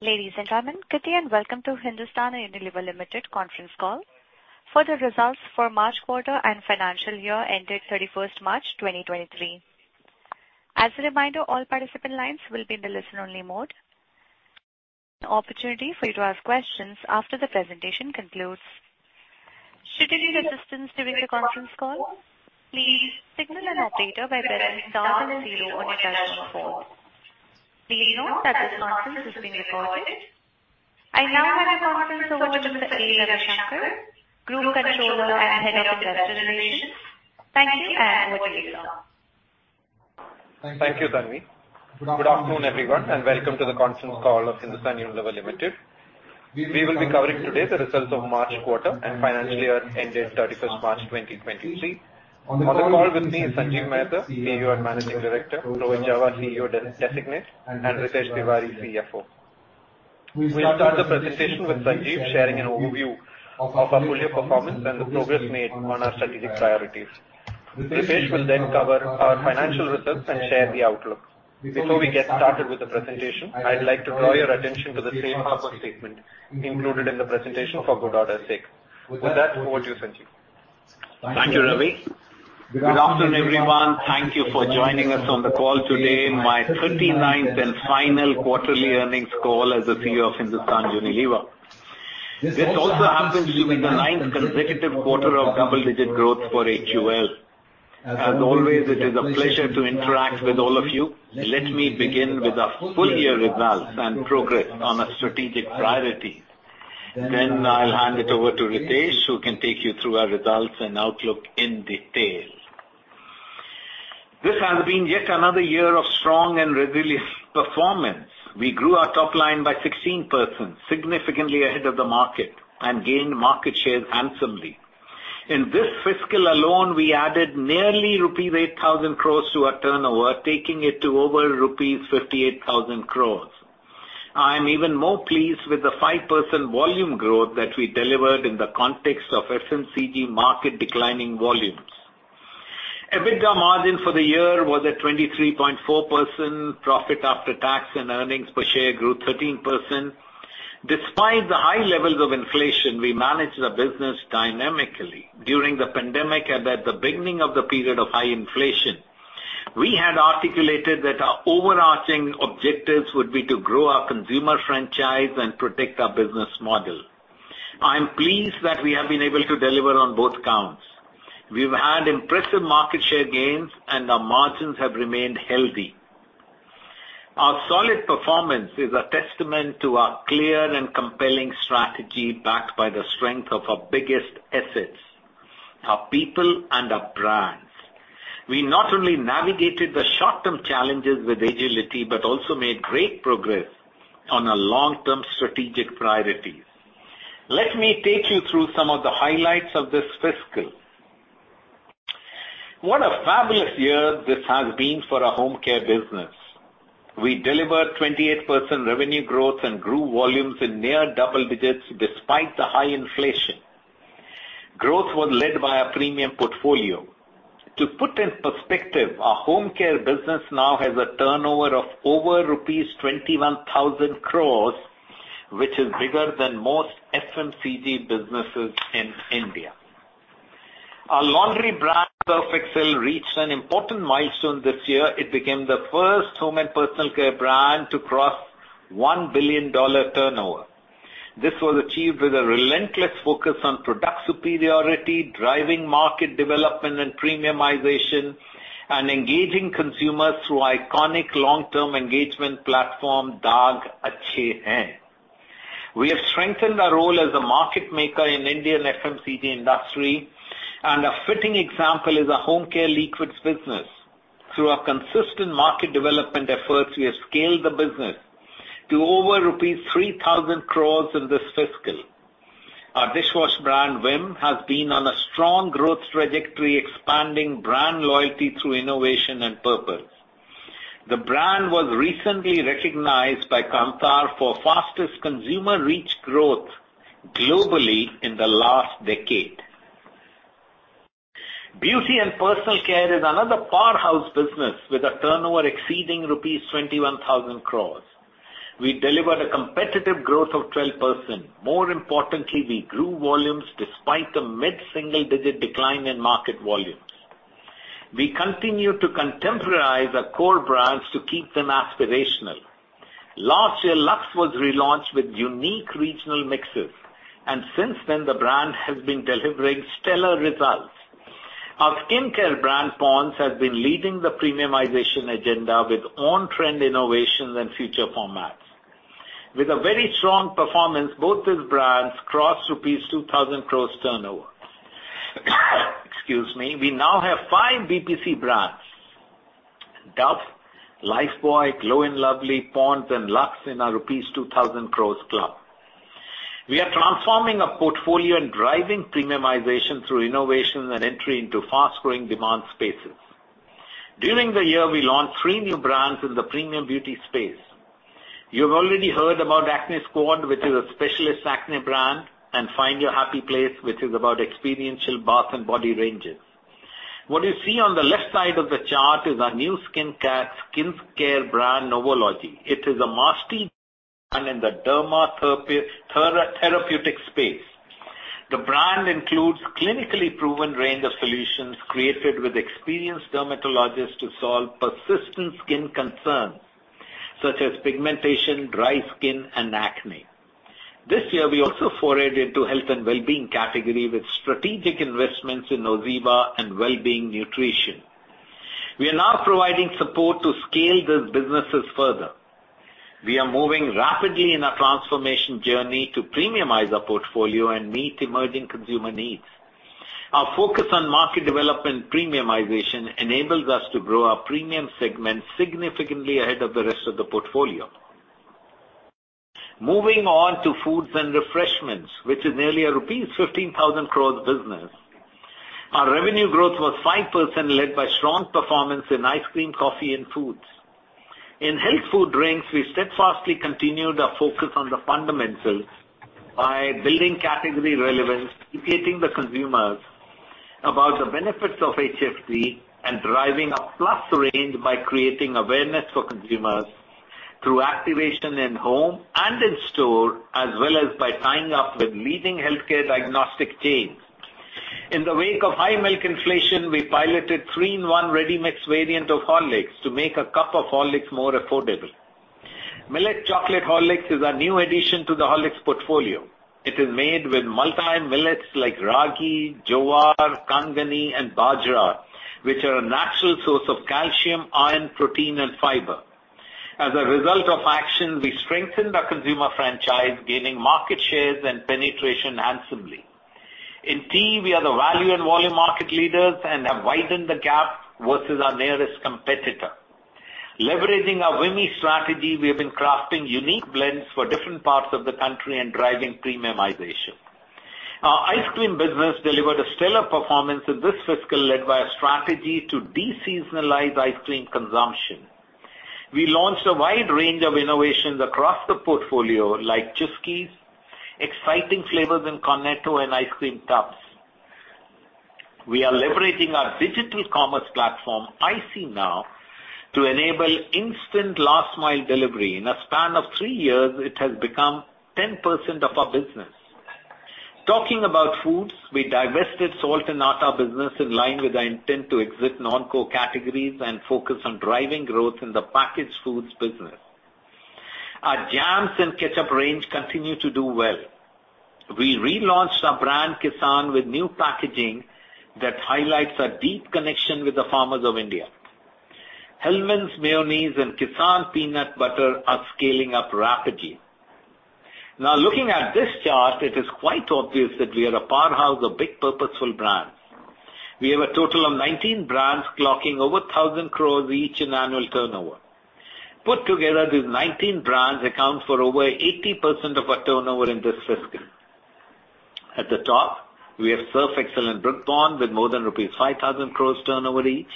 Ladies and gentlemen, good day. Welcome to Hindustan Unilever Limited conference call for the results for March quarter and financial year ended 31st March 2023. As a reminder, all participant lines will be in the listen-only mode. An opportunity for you to ask questions after the presentation concludes. Should you need assistance during the conference call, please signal an operator by pressing star then zero on your touchtone phone. Please note that this conference is being recorded. I now hand the conference over to Mr. A. Ravishankar, Group Controller and Head of Investor Relations. Thank you. Over to you now. Thank you, Tanvi. Good afternoon, everyone, and welcome to the conference call of Hindustan Unilever Limited. We will be covering today the results of March quarter and financial year ended 31st March 2023. On the call with me is Sanjiv Mehta, CEO and Managing Director, Rohit Jawa, CEO Designate, and Ritesh Tiwari, CFO. We'll start the presentation with Sanjiv sharing an overview of our full year performance and the progress made on our strategic priorities. Ritesh will then cover our financial results and share the outlook. Before we get started with the presentation, I'd like to draw your attention to the safe harbor statement included in the presentation for good order's sake. With that, over to you, Sanjiv. Thank you, Ravi. Good afternoon, everyone. Thank you for joining us on the call today, my 39th and final quarterly earnings call as the CEO of Hindustan Unilever. This also happens to be the ninth consecutive quarter of double-digit growth for HUL. As always, it is a pleasure to interact with all of you. Let me begin with our full year results and progress on our strategic priorities. I'll hand it over to Ritesh, who can take you through our results and outlook in detail. This has been yet another year of strong and resilient performance. We grew our top line by 16%, significantly ahead of the market, and gained market share handsomely. In this fiscal alone, we added nearly rupees 8,000 crores to our turnover, taking it to over rupees 58,000 crores. I'm even more pleased with the 5% volume growth that we delivered in the context of FMCG market declining volumes. EBITDA margin for the year was at 23.4%. Profit after tax and earnings per share grew 13%. Despite the high levels of inflation, we managed the business dynamically. During the pandemic and at the beginning of the period of high inflation, we had articulated that our overarching objectives would be to grow our consumer franchise and protect our business model. I'm pleased that we have been able to deliver on both counts. We've had impressive market share gains, and our margins have remained healthy. Our solid performance is a testament to our clear and compelling strategy, backed by the strength of our biggest assets, our people and our brands. We not only navigated the short-term challenges with agility, but also made great progress on our long-term strategic priorities. Let me take you through some of the highlights of this fiscal. What a fabulous year this has been for our Home Care business. We delivered 28% revenue growth and grew volumes in near double digits despite the high inflation. Growth was led by our premium portfolio. To put in perspective, our Home Care business now has a turnover of over rupees 21,000 crore, which is bigger than most FMCG businesses in India. Our laundry brand, Surf Excel, reached an important milestone this year. It became the first home and personal care brand to cross $1 billion turnover. This was achieved with a relentless focus on product superiority, driving market development and premiumization, and engaging consumers through iconic long-term engagement platform, Daag Achhe Hain. We have strengthened our role as a market maker in Indian FMCG industry. A fitting example is our Home Care liquids business. Through our consistent market development efforts, we have scaled the business to over rupees 3,000 crores in this fiscal. Our dishwash brand, Vim, has been on a strong growth trajectory, expanding brand loyalty through innovation and purpose. The brand was recently recognized by Kantar for fastest consumer reach growth globally in the last decade. Beauty & Personal Care is another powerhouse business with a turnover exceeding rupees 21,000 crores. We delivered a competitive growth of 12%. More importantly, we grew volumes despite a mid-single digit decline in market volumes. We continue to contemporize our core brands to keep them aspirational. Last year, LUX was relaunched with unique regional mixes. Since then the brand has been delivering stellar results. Our skincare brand, Pond's, has been leading the premiumization agenda with on-trend innovations and future formats. With a very strong performance, both these brands crossed rupees 2,000 crores turnover. Excuse me. We now have five BPC brands, Dove, Lifebuoy, Glow & Lovely, Pond's, and LUX in our rupees 2,000 crores club. We are transforming our portfolio and driving premiumization through innovation and entry into fast-growing demand spaces. During the year, we launched three new brands in the premium beauty space. You've already heard about Acne Squad, which is a specialist acne brand, and Find Your Happy Place, which is about experiential bath and body ranges. What you see on the left side of the chart is our new skincare brand, Novology. It is in the derma-therapeutic space. The brand includes clinically proven range of solutions created with experienced dermatologists to solve persistent skin concerns such as pigmentation, dry skin and acne. This year we also forayed into health and well-being category with strategic investments in OZiva and Wellbeing Nutrition. We are now providing support to scale these businesses further. We are moving rapidly in our transformation journey to premiumize our portfolio and meet emerging consumer needs. Our focus on market development premiumization enables us to grow our premium segment significantly ahead of the rest of the portfolio. Moving on to Foods & Refreshments, which is nearly a rupees 15,000 crore business. Our revenue growth was 5% led by strong performance in ice cream, coffee, and foods. In Health Food Drinks, we steadfastly continued our focus on the fundamentals by building category relevance, educating the consumers about the benefits of HFD and driving a plus range by creating awareness for consumers through activation in home and in store, as well as by tying up with leading healthcare diagnostic chains. In the wake of high milk inflation, we piloted 3-in-1 ready mix variant of Horlicks to make a cup of Horlicks more affordable. Millet Chocolate Horlicks is a new addition to the Horlicks portfolio. It is made with multi millets like ragi, jowar, kangni and bajra, which are a natural source of calcium, iron, protein and fiber. As a result of action, we strengthened our consumer franchise, gaining market shares and penetration handsomely. In tea, we are the value and volume market leaders and have widened the gap versus our nearest competitor. Leveraging our WiMI strategy, we have been crafting unique blends for different parts of the country and driving premiumization. Our ice cream business delivered a stellar performance in this fiscal, led by a strategy to de-seasonalize ice cream consumption. We launched a wide range of innovations across the portfolio like Chuski, exciting flavors in Cornetto and ice cream tubs. We are leveraging our digital commerce platform, ICNow, to enable instant last mile delivery. In a span of 3 years, it has become 10% of our business. Talking about foods, we divested Salt and Atta business in line with our intent to exit non-core categories and focus on driving growth in the packaged foods business. Our jams and ketchup range continue to do well. We relaunched our brand Kissan with new packaging that highlights our deep connection with the farmers of India. Hellmann's mayonnaise and Kissan peanut butter are scaling up rapidly. Looking at this chart, it is quite obvious that we are a powerhouse of big purposeful brands. We have a total of 19 brands clocking over 1,000 crores each in annual turnover. Put together, these 19 brands account for over 80% of our turnover in this fiscal. At the top, we have Surf Excel and Pond's with more than rupees 5,000 crores turnover each.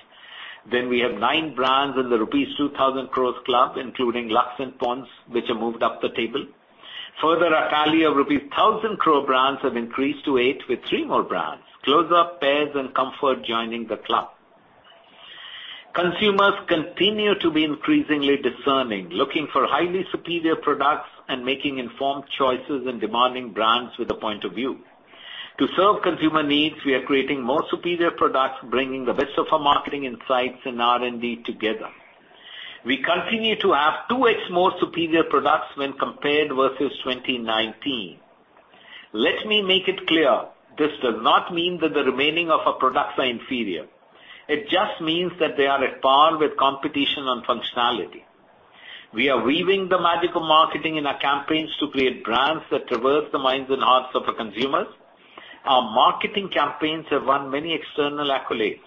We have nine brands in the rupees 2,000 crores club, including LUX and Pond's, which have moved up the table. Our tally of rupees 1,000 crore brands have increased to eight, with three more brands, Closeup, Pears, and Comfort joining the club. Consumers continue to be increasingly discerning, looking for highly superior products and making informed choices and demanding brands with a point of view. To serve consumer needs, we are creating more superior products, bringing the best of our marketing insights and R&D together. We continue to have 2x more superior products when compared versus 2019. Let me make it clear, this does not mean that the remaining of our products are inferior. It just means that they are at par with competition on functionality. We are weaving the magic of marketing in our campaigns to create brands that traverse the minds and hearts of our consumers. Our marketing campaigns have won many external accolades.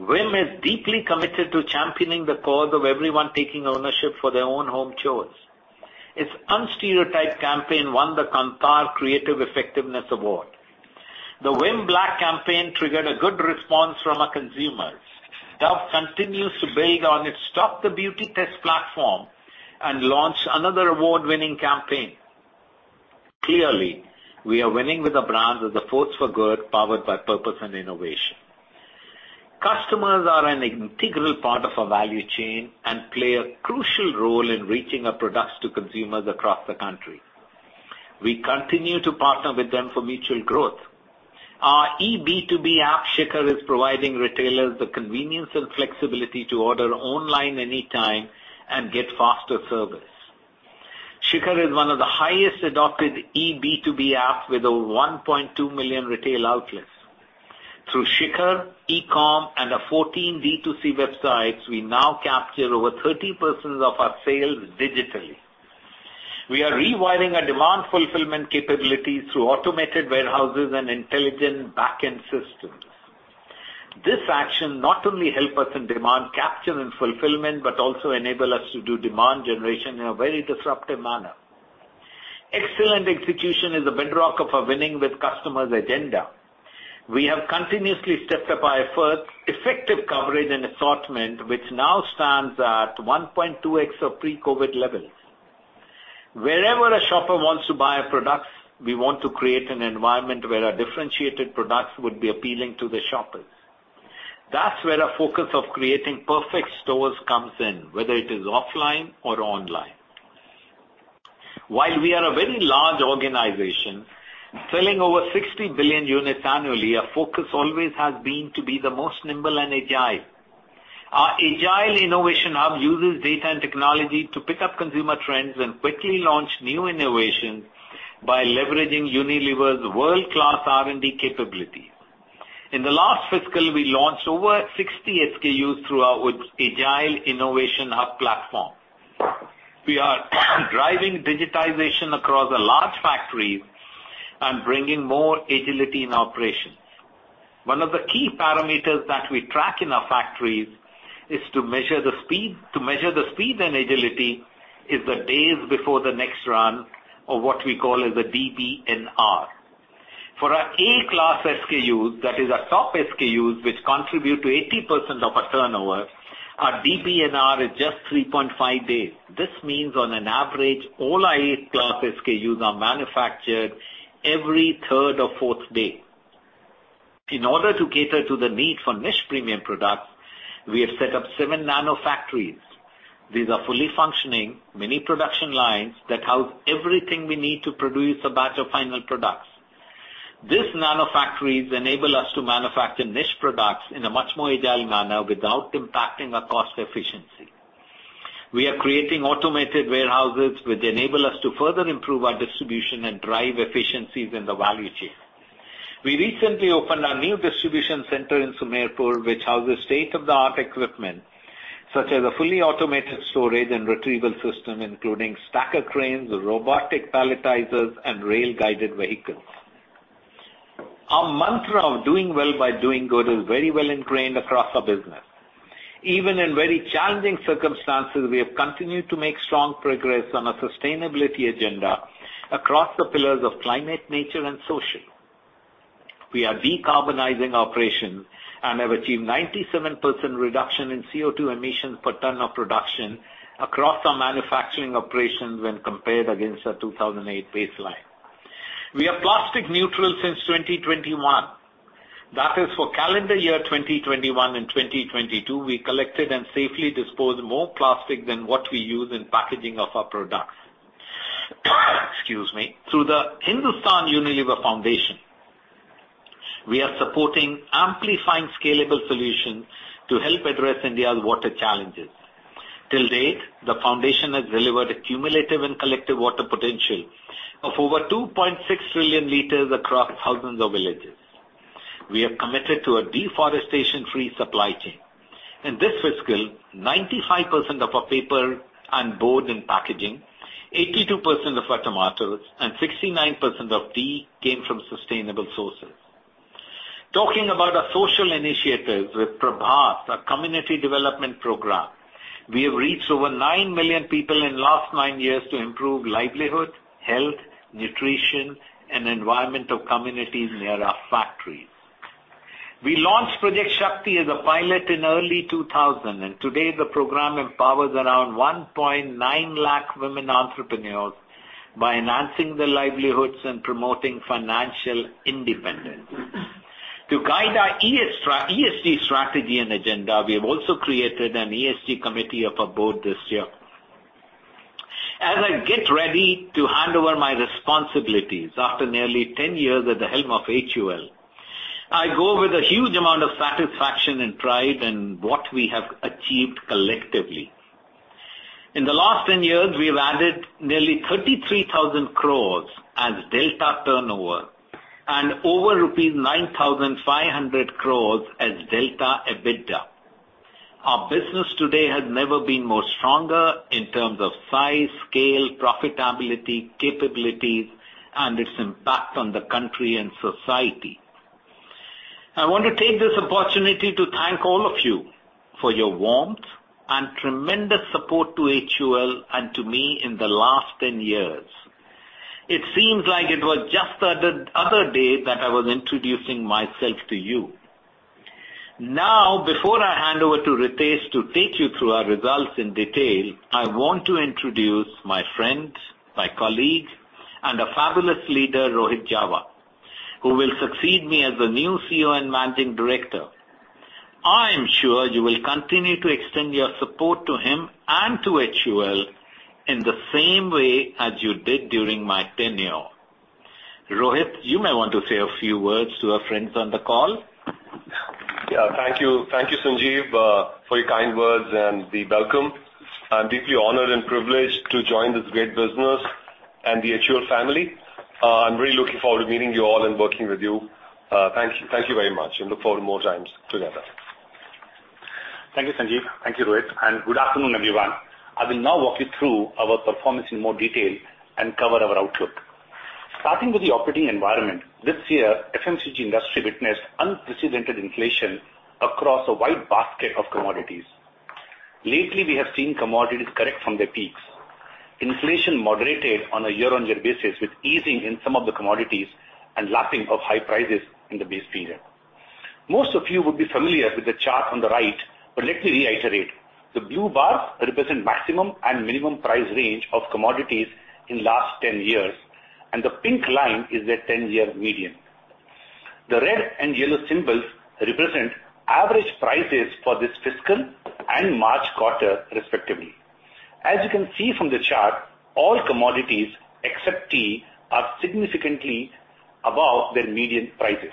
Vim is deeply committed to championing the cause of everyone taking ownership for their own home chores. Its Unstereotype campaign won the Kantar Creative Effectiveness Awards. The Vim Black campaign triggered a good response from our consumers. Dove continues to build on its Stop the Beauty Test platform and launched another award-winning campaign. Clearly, we are winning with the brands as a force for good, powered by purpose and innovation. Customers are an integral part of our value chain and play a crucial role in reaching our products to consumers across the country. We continue to partner with them for mutual growth. Our EB2B app, Shikhar, is providing retailers the convenience and flexibility to order online anytime and get faster service. Shikhar is one of the highest adopted EB2B app with over 1.2 million retail outlets. Through Shikhar, E-com and our 14 D2C websites, we now capture over 30% of our sales digitally. We are rewiring our demand fulfillment capabilities through automated warehouses and intelligent back-end systems. This action not only help us in demand capture and fulfillment, but also enable us to do demand generation in a very disruptive manner. Excellent execution is the bedrock of our winning with customers agenda. We have continuously stepped up our effort, effective coverage and assortment, which now stands at 1.2x of pre-COVID levels. Wherever a shopper wants to buy a product, we want to create an environment where our differentiated products would be appealing to the shoppers. That's where our focus of creating perfect stores comes in, whether it is offline or online. While we are a very large organization, selling over 60 billion units annually, our focus always has been to be the most nimble and agile. Our Agile Innovation Hub uses data and technology to pick up consumer trends and quickly launch new innovations by leveraging Unilever's world-class R&D capability. In the last fiscal, we launched over 60 SKUs through our Agile Innovation Hub platform. We are driving digitization across a large factory and bringing more agility in operations. One of the key parameters that we track in our factories is to measure the speed and agility is the days before the next run or what we call as a DBNR. For our A-class SKUs, that is our top SKUs, which contribute to 80% of our turnover, our DBNR is just 3.5 days. This means on an average, all our A-class SKUs are manufactured every third or fourth day. In order to cater to the need for niche premium products, we have set up seven nano factories. These are fully functioning mini production lines that house everything we need to produce a batch of final products. These nano factories enable us to manufacture niche products in a much more agile manner without impacting our cost efficiency. We are creating automated warehouses, which enable us to further improve our distribution and drive efficiencies in the value chain. We recently opened our new distribution center in Sumerpur, which houses state-of-the-art equipment, such as a fully automated storage and retrieval system, including stacker cranes, robotic palletizers, and rail-guided vehicles. Our mantra of doing well by doing good is very well ingrained across our business. Even in very challenging circumstances, we have continued to make strong progress on our sustainability agenda across the pillars of climate, nature, and social. We are decarbonizing operations and have achieved 97% reduction in CO₂ emissions per ton of production across our manufacturing operations when compared against our 2008 baseline. We are plastic neutral since 2021. That is for calendar year 2021 and 2022, we collected and safely disposed more plastic than what we use in packaging of our products. Excuse me. Through the Hindustan Unilever Foundation, we are supporting amplifying scalable solutions to help address India's water challenges. Till date, the foundation has delivered a cumulative and collective water potential of over 2.6 trillion L across thousands of villages. We are committed to a deforestation-free supply chain. In this fiscal, 95% of our paper and board in packaging, 82% of our tomatoes, and 69% of tea came from sustainable sources. Talking about our social initiatives with Prabhat, our community development program, we have reached over 9 million people in last 9 years to improve livelihood, health, nutrition, and environment of communities near our factories. We launched Project Shakti as a pilot in early 2000. Today the program empowers around 1.9 lakh women entrepreneurs by enhancing their livelihoods and promoting financial independence. To guide our ESG strategy and agenda, we have also created an ESG committee of our board this year. As I get ready to hand over my responsibilities after nearly 10 years at the helm of HUL, I go with a huge amount of satisfaction and pride in what we have achieved collectively. In the last 10 years, we have added nearly 33,000 crores as delta turnover and over rupees 9,500 crores as delta EBITDA. Our business today has never been more stronger in terms of size, scale, profitability, capabilities, and its impact on the country and society. I want to take this opportunity to thank all of you for your warmth and tremendous support to HUL and to me in the last 10 years. It seems like it was just the other day that I was introducing myself to you. Before I hand over to Ritesh to take you through our results in detail, I want to introduce my friend, my colleague, and a fabulous leader, Rohit Jawa, who will succeed me as the new CEO and Managing Director. I am sure you will continue to extend your support to him and to HUL in the same way as you did during my tenure. Rohit, you may want to say a few words to our friends on the call. Yeah. Thank you. Thank you, Sanjiv, for your kind words and the welcome. I'm deeply honored and privileged to join this great business and the HUL family. I'm really looking forward to meeting you all and working with you. Thank you. Thank you very much and look forward more times together. Thank you, Sanjiv. Thank you, Rohit, and good afternoon, everyone. I will now walk you through our performance in more detail and cover our outlook. Starting with the operating environment, this year, FMCG industry witnessed unprecedented inflation across a wide basket of commodities. Lately, we have seen commodities correct from their peaks. Inflation moderated on a year-on-year basis with easing in some of the commodities and lacking of high prices in the base period. Most of you would be familiar with the chart on the right. Let me reiterate. The blue bars represent maximum and minimum price range of commodities in last 10 years, and the pink line is their 10-year median. The red and yellow symbols represent average prices for this fiscal and March quarter respectively. As you can see from the chart, all commodities except tea are significantly above their median prices.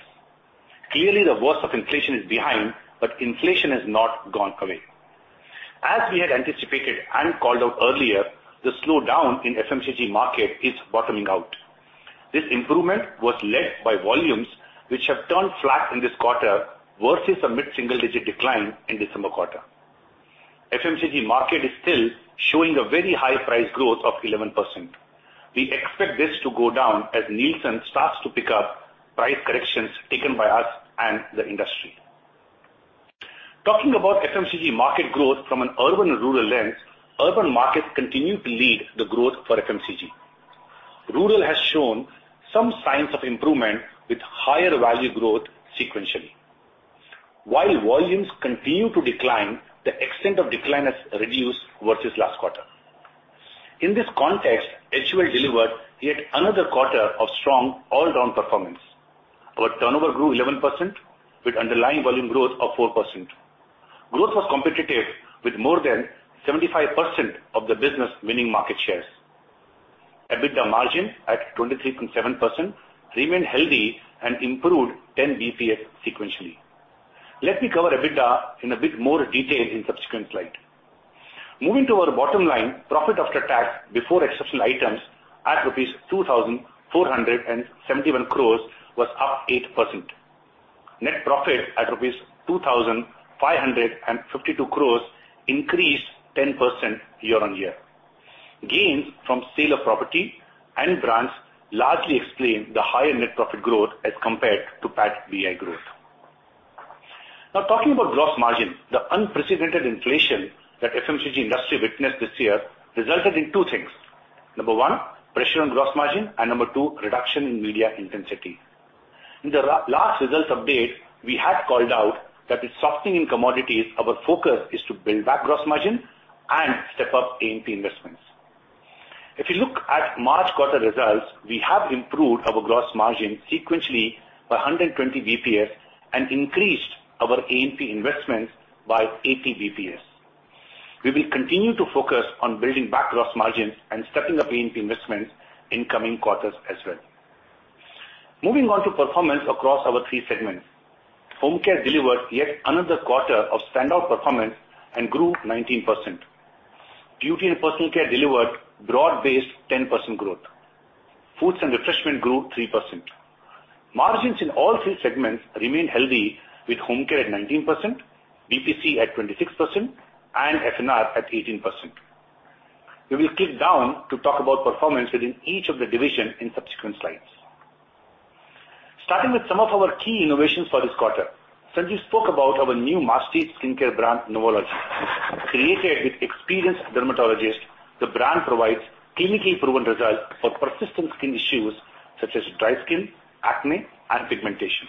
Clearly, the worst of inflation is behind, but inflation has not gone away. As we had anticipated and called out earlier, the slowdown in FMCG market is bottoming out. This improvement was led by volumes which have turned flat in this quarter versus a mid-single-digit decline in December quarter. FMCG market is still showing a very high price growth of 11%. We expect this to go down as Nielsen starts to pick up price corrections taken by us and the industry. Talking about FMCG market growth from an urban and rural lens, urban markets continue to lead the growth for FMCG. Rural has shown some signs of improvement with higher value growth sequentially. While volumes continue to decline, the extent of decline has reduced versus last quarter. In this context, HUL delivered yet another quarter of strong all-round performance. Our turnover grew 11% with underlying volume growth of 4%. Growth was competitive with more than 75% of the business winning market shares. EBITDA margin at 23.7% remained healthy and improved 10 basis points sequentially. Let me cover EBITDA in a bit more detail in subsequent slide. Moving to our bottom line, profit after tax before exceptional items at rupees 2,471 crores was up 8%. Net profit at rupees 2,552 crores increased 10% year-on-year. Gains from sale of property and brands largely explain the higher net profit growth as compared to PAT BI growth. Talking about gross margin, the unprecedented inflation that FMCG industry witnessed this year resulted in two things. Number one, pressure on gross margin, and number two, reduction in media intensity. In the last results update, we had called out that with softening in commodities, our focus is to build back gross margin and step up A&P investments. If you look at March quarter results, we have improved our gross margin sequentially by 120 basis points and increased our A&P investments by 80 basis points. We will continue to focus on building back gross margins and stepping up A&P investments in coming quarters as well. Moving on to performance across our three segments. Home Care delivered yet another quarter of standout performance and grew 19%. Beauty & Personal Care delivered broad-based 10% growth. Foods & Refreshment grew 3%. Margins in all three segments remain healthy with Home Care at 19%, BPC at 26%, and F&R at 18%. We will click down to talk about performance within each of the division in subsequent slides. Starting with some of our key innovations for this quarter. Sanjiv spoke about our new master skincare brand, Novology. Created with experienced dermatologists, the brand provides clinically proven results for persistent skin issues such as dry skin, acne, and pigmentation.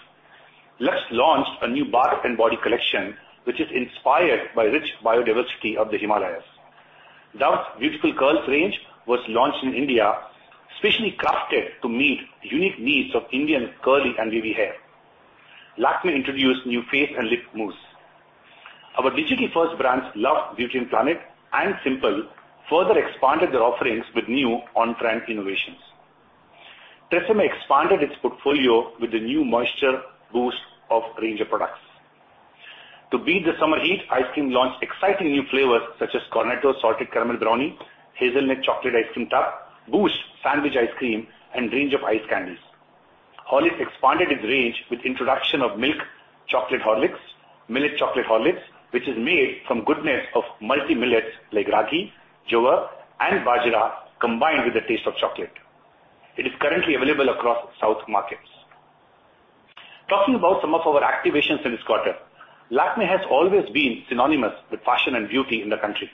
LUX launched a new bath and body collection, which is inspired by rich biodiversity of the Himalayas. Dove's Beautiful Curls range was launched in India, specially crafted to meet the unique needs of Indian curly and wavy hair. Lakmé introduced new face and lip mousse. Our digital-first brands, Love Beauty & Planet and Simple, further expanded their offerings with new on-trend innovations. TRESemmé expanded its portfolio with the new Moisture Boost of range of products. To beat the summer heat, Ice Cream launched exciting new flavors such as Cornetto Salted Caramel Brownie, Hazelnut Chocolate Ice Cream Tub, Boost Sandwich Ice Cream, and range of ice candies. Horlicks expanded its range with introduction of Milk Chocolate Horlicks, Millet Chocolate Horlicks, which is made from goodness of multi millets like ragi, jowar, and bajra, combined with the taste of chocolate. It is currently available across South markets. Talking about some of our activations in this quarter. Lakmé has always been synonymous with fashion and beauty in the country.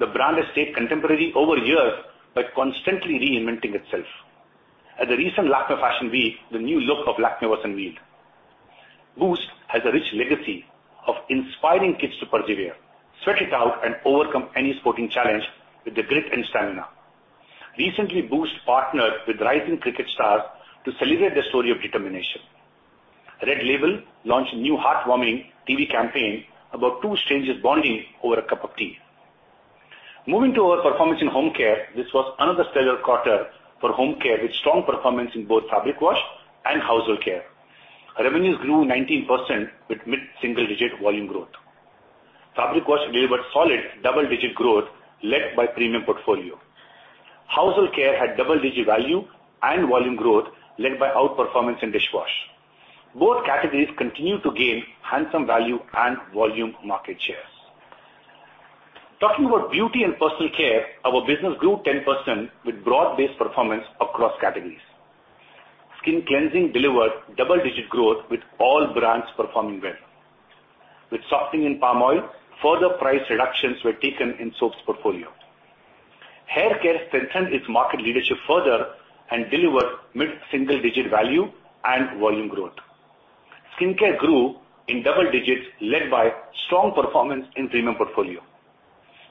The brand has stayed contemporary over years by constantly reinventing itself. At the recent Lakmé Fashion Week, the new look of Lakmé was unveiled. Boost has a rich legacy of inspiring kids to persevere, sweat it out, and overcome any sporting challenge with the grit and stamina. Recently, Boost partnered with rising cricket stars to celebrate their story of determination. Red Label launched a new heartwarming TV campaign about two strangers bonding over a cup of tea. This was another stellar quarter for home care with strong performance in both fabric wash and household care. Revenues grew 19% with mid-single-digit volume growth. Fabric Wash delivered solid double-digit growth led by premium portfolio. Household Care had double-digit value and volume growth led by outperformance in dishwash. Both categories continue to gain handsome value and volume market shares. Talking about Beauty & Personal Care, our business grew 10% with broad-based performance across categories. Skin cleansing delivered double-digit growth with all brands performing well. With softening in palm oil, further price reductions were taken in soaps portfolio. Hair Care strengthened its market leadership further and delivered mid-single digit value and volume growth. Skincare grew in double digits, led by strong performance in premium portfolio.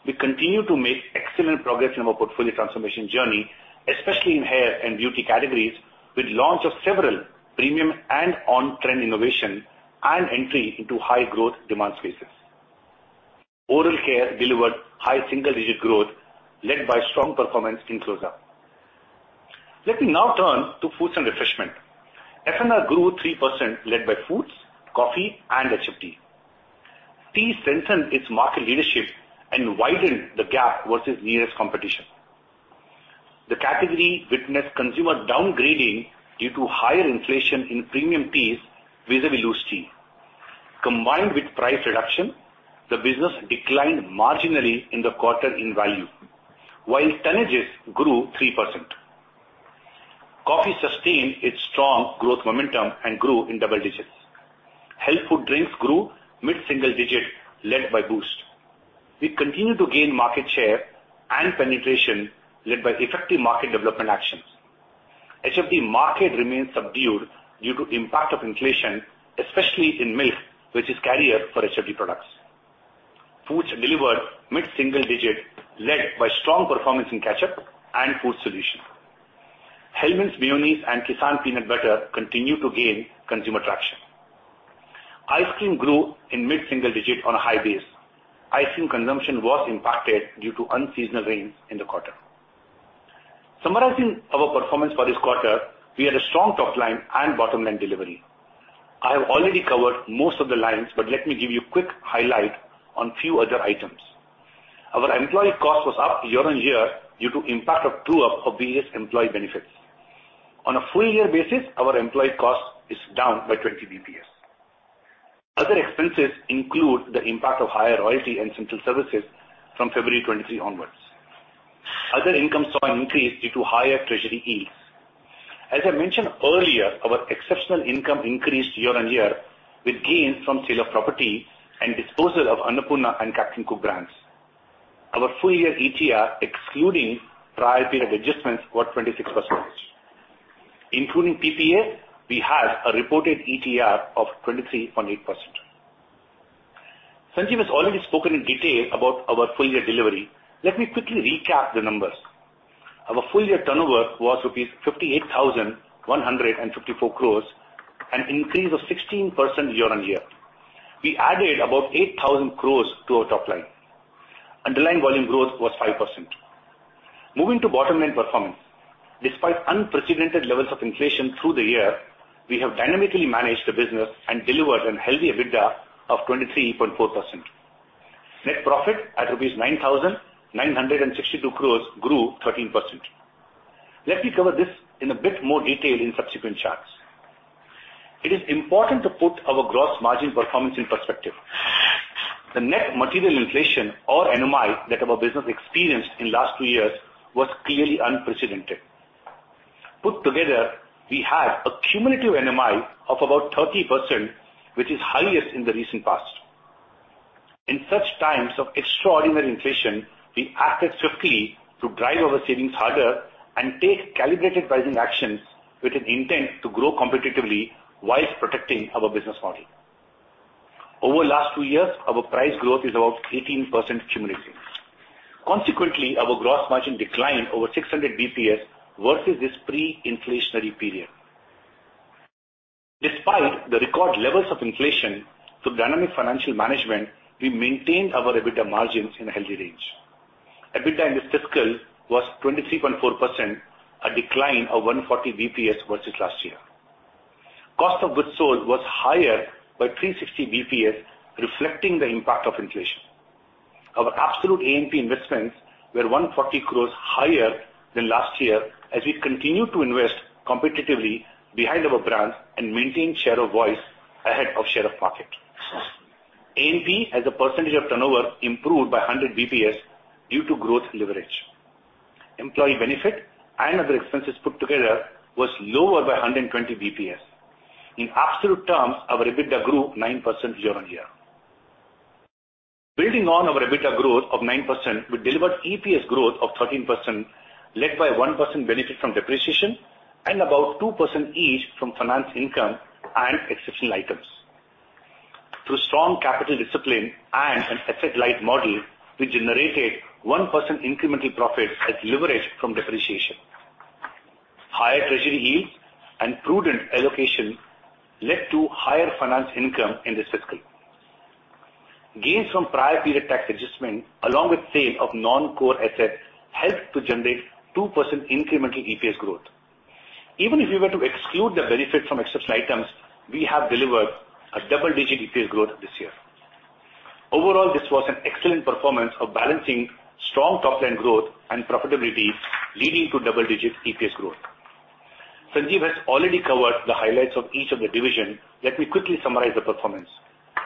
We continue to make excellent progress in our portfolio transformation journey, especially in hair and beauty categories, with launch of several premium and on-trend innovation and entry into high growth demand spaces. Oral Care delivered high single-digit growth led by strong performance in Closeup. Let me now turn to Foods & Refreshment. F&R grew 3% led by foods, coffee, and HFD. Tea strengthened its market leadership and widened the gap versus nearest competition. The category witnessed consumer downgrading due to higher inflation in premium teas vis-a-vis loose tea. Combined with price reduction, the business declined marginally in the quarter in value, while tonnages grew 3%. Coffee sustained its strong growth momentum and grew in double digits. Health Food Drinks grew mid-single digit led by Boost. We continue to gain market share and penetration led by effective market development actions. HFD market remains subdued due to impact of inflation, especially in milk, which is carrier for HFD products. Foods delivered mid-single digit led by strong performance in ketchup and food solution. Hellmann's mayonnaise and Kissan peanut butter continue to gain consumer traction. Ice Cream grew in mid-single digit on a high base. Ice cream consumption was impacted due to unseasonal rains in the quarter. Summarizing our performance for this quarter, we had a strong top line and bottom line delivery. I have already covered most of the lines, but let me give you a quick highlight on few other items. Our employee cost was up year-on-year due to impact of true-up of IAS 19 employee benefits. On a full year basis, our employee cost is down by 20 basis points. Other expenses include the impact of higher royalty and central services from February 2023 onwards. Other income saw an increase due to higher treasury yields. As I mentioned earlier, our exceptional income increased year-on-year with gains from sale of property and disposal of Annapurna and Captain Cook brands. Our full year ETR, excluding trial period adjustments, was 26%. Including PPA, we had a reported ETR of 23.8%. Sanjiv has already spoken in detail about our full year delivery. Let me quickly recap the numbers. Our full year turnover was rupees 58,154 crores, an increase of 16% year-on-year. We added about 8,000 crores to our top line. Underlying volume growth was 5%. Moving to bottom line performance. Despite unprecedented levels of inflation through the year, we have dynamically managed the business and delivered an healthy EBITDA of 23.4%. Net profit at rupees 9,962 crores grew 13%. Let me cover this in a bit more detail in subsequent charts. It is important to put our gross margin performance in perspective. The net material inflation, or NMI, that our business experienced in last 2 years was clearly unprecedented. Put together, we had a cumulative NMI of about 30%, which is highest in the recent past. In such times of extraordinary inflation, we acted swiftly to drive our savings harder and take calibrated pricing actions with an intent to grow competitively whilst protecting our business model. Over last 2 years, our price growth is about 18% cumulative. Consequently, our gross margin declined over 600 basis points versus this pre-inflationary period. Despite the record levels of inflation, through dynamic financial management, we maintained our EBITDA margins in a healthy range. EBITDA in this fiscal was 23.4%, a decline of 140 basis points versus last year. Cost of goods sold was higher by 360 basis points, reflecting the impact of inflation. Our absolute A&P investments were 140 crores higher than last year as we continue to invest competitively behind our brands and maintain share of voice ahead of share of market. A&P as a percentage of turnover improved by 100 basis points due to growth leverage. Employee benefit and other expenses put together was lower by 120 basis points. In absolute terms, our EBITDA grew 9% year-on-year. Building on our EBITDA growth of 9%, we delivered EPS growth of 13% led by 1% benefit from depreciation and about 2% each from finance income and exceptional items. Through strong capital discipline and an asset-light model, we generated 1% incremental profits as leverage from depreciation. Higher treasury yields and prudent allocation led to higher finance income in this fiscal. Gains from prior period tax adjustment along with sale of non-core assets helped to generate 2% incremental EPS growth. Even if you were to exclude the benefit from exceptional items, we have delivered a double-digit EPS growth this year. Overall, this was an excellent performance of balancing strong top line growth and profitability leading to double-digit EPS growth. Sanjiv has already covered the highlights of each of the division. Let me quickly summarize the performance.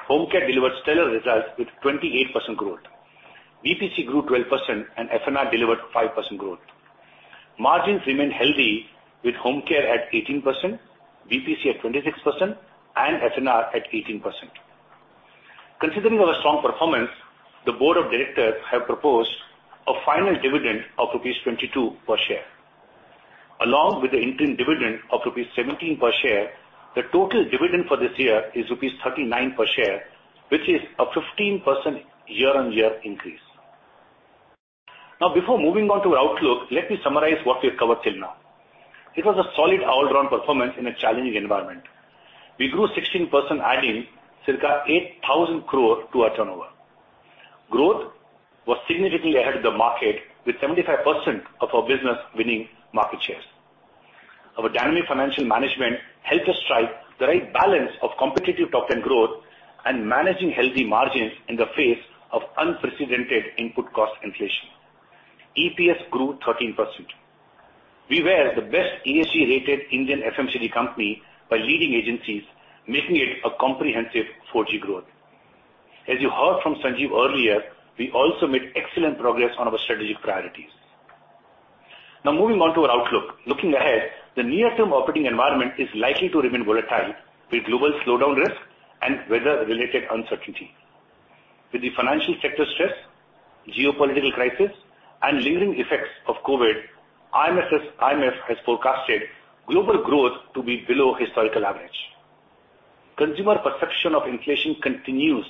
Home Care delivered stellar results with 28% growth. BPC grew 12% and F&R delivered 5% growth. Margins remain healthy with Home Care at 18%, BPC at 26%, and F&R at 18%. Considering our strong performance, the Board of Directors have proposed a final dividend of rupees 22 per share. Along with the interim dividend of rupees 17 per share, the total dividend for this year is rupees 39 per share, which is a 15% year-on-year increase. Before moving on to outlook, let me summarize what we have covered till now. It was a solid all-around performance in a challenging environment. We grew 16%, adding circa 8,000 crore to our turnover. Growth was significantly ahead of the market, with 75% of our business winning market shares. Our dynamic financial management helped us strike the right balance of competitive top-end growth and managing healthy margins in the face of unprecedented input cost inflation. EPS grew 13%. We were the best ESG-rated Indian FMCG company by leading agencies, making it a comprehensive 4G growth. As you heard from Sanjiv earlier, we also made excellent progress on our strategic priorities. Moving on to our outlook. Looking ahead, the near-term operating environment is likely to remain volatile, with global slowdown risk and weather-related uncertainty. With the financial sector stress, geopolitical crisis, and lingering effects of COVID, IMF has forecasted global growth to be below historical average. Consumer perception of inflation continues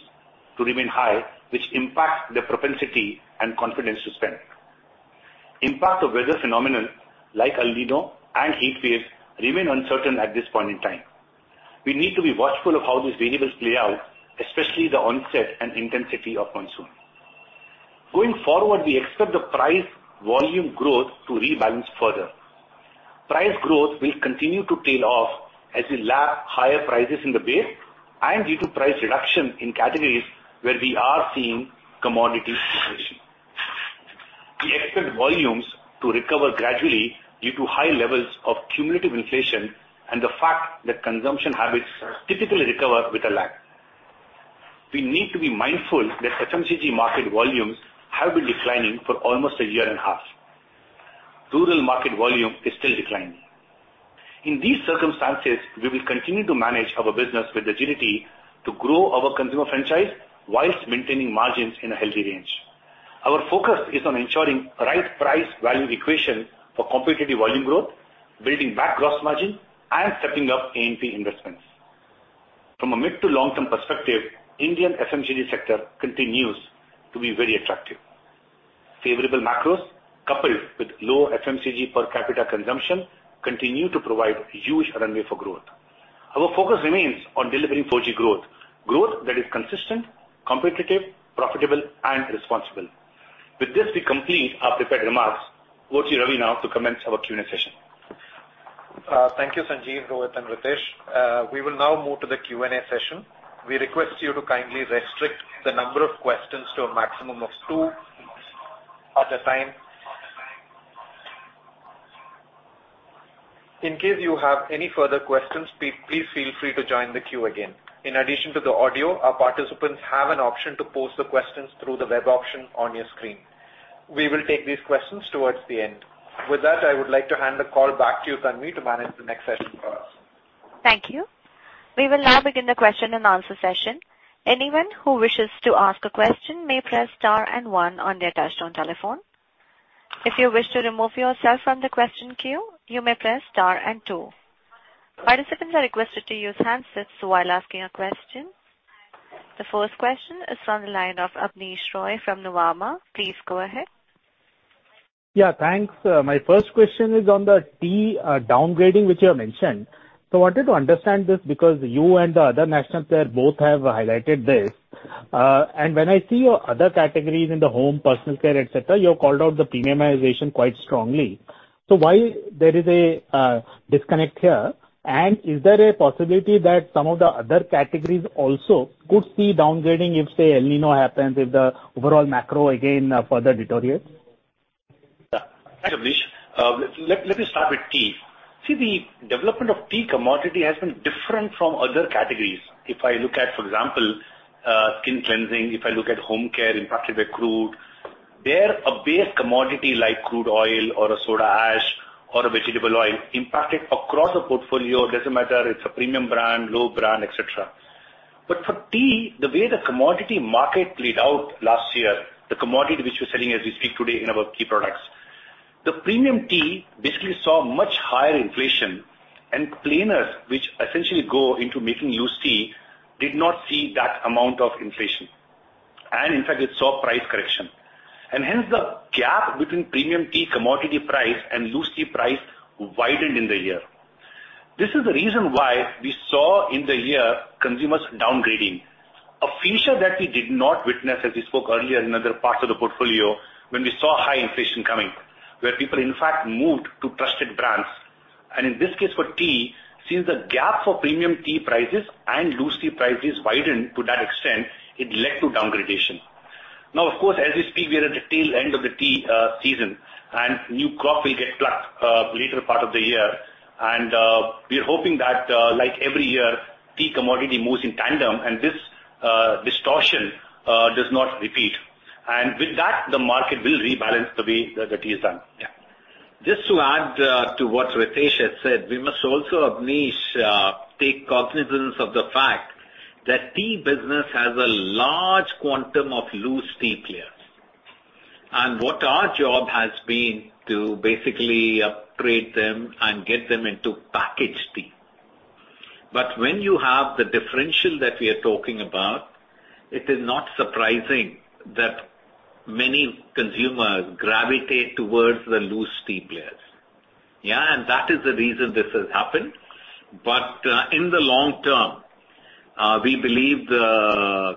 to remain high, which impacts their propensity and confidence to spend. Impact of weather phenomenon like El Niño and heatwaves remain uncertain at this point in time. We need to be watchful of how these variables play out, especially the onset and intensity of monsoon. We expect the price volume growth to rebalance further. Price growth will continue to tail off as we lap higher prices in the base and due to price reduction in categories where we are seeing commodity deflation. We expect volumes to recover gradually due to high levels of cumulative inflation and the fact that consumption habits typically recover with a lag. We need to be mindful that FMCG market volumes have been declining for almost a year and a half. Rural market volume is still declining. In these circumstances, we will continue to manage our business with agility to grow our consumer franchise whilst maintaining margins in a healthy range. Our focus is on ensuring right price value equation for competitive volume growth, building back gross margin, and stepping up A&P investments. From a mid to long-term perspective, Indian FMCG sector continues to be very attractive. Favorable macros coupled with low FMCG per capita consumption continue to provide huge runway for growth. Our focus remains on delivering 4G growth that is consistent, competitive, profitable and responsible. With this, we complete our prepared remarks. Over to you, Ravi, now to commence our Q&A session. Thank you, Sanjiv, Rohit, and Ritesh. We will now move to the Q&A session. We request you to kindly restrict the number of questions to a maximum of two at a time. In case you have any further questions, please feel free to join the queue again. In addition to the audio, our participants have an option to pose the questions through the web option on your screen. We will take these questions towards the end. With that, I would like to hand the call back to you, Tanvi, to manage the next session for us. Thank you. We will now begin the question and answer session. Anyone who wishes to ask a question may press star one on their touchtone telephone. If you wish to remove yourself from the question queue, you may press star and two. Participants are requested to use handsets while asking a question. The first question is from the line of Abneesh Roy from Nuvama. Please go ahead. Yeah, thanks. My first question is on the tea downgrading, which you have mentioned. I wanted to understand this because you and the other national player both have highlighted this. When I see your other categories in the home, personal care, et cetera, you have called out the premiumization quite strongly. Why there is a disconnect here? Is there a possibility that some of the other categories also could see downgrading if, say, El Niño happens, if the overall macro again further deteriorates? Yeah. Thanks, Abneesh. Let me start with tea. See, the development of tea commodity has been different from other categories. If I look at, for example, skin cleansing, if I look at home care impacted by crude, there a base commodity like crude oil or a soda ash or a vegetable oil impacted across the portfolio. It doesn't matter if it's a premium brand, low brand, et cetera. For tea, the way the commodity market played out last year, the commodity which we're selling as we speak today in our key products, the premium tea basically saw much higher inflation, and planters, which essentially go into making loose tea, did not see that amount of inflation. In fact, it saw price correction. Hence the gap between premium tea commodity price and loose tea price widened in the year. This is the reason why we saw in the year consumers downgrading, a feature that we did not witness as we spoke earlier in other parts of the portfolio when we saw high inflation coming, where people in fact moved to trusted brands. In this case for tea, since the gap for premium tea prices and loose tea prices widened to that extent, it led to downgradation. Of course, as we speak, we are at the tail end of the tea season, and new crop will get plucked later part of the year. We are hoping that, like every year, tea commodity moves in tandem, and this. Distortion does not repeat. With that, the market will rebalance the way the tea is done. Yeah. Just to add to what Ritesh has said, we must also, Abneesh, take cognizance of the fact that tea business has a large quantum of loose tea players. What our job has been to basically upgrade them and get them into packaged tea. When you have the differential that we are talking about, it is not surprising that many consumers gravitate towards the loose tea players. Yeah, that is the reason this has happened. In the long term, we believe the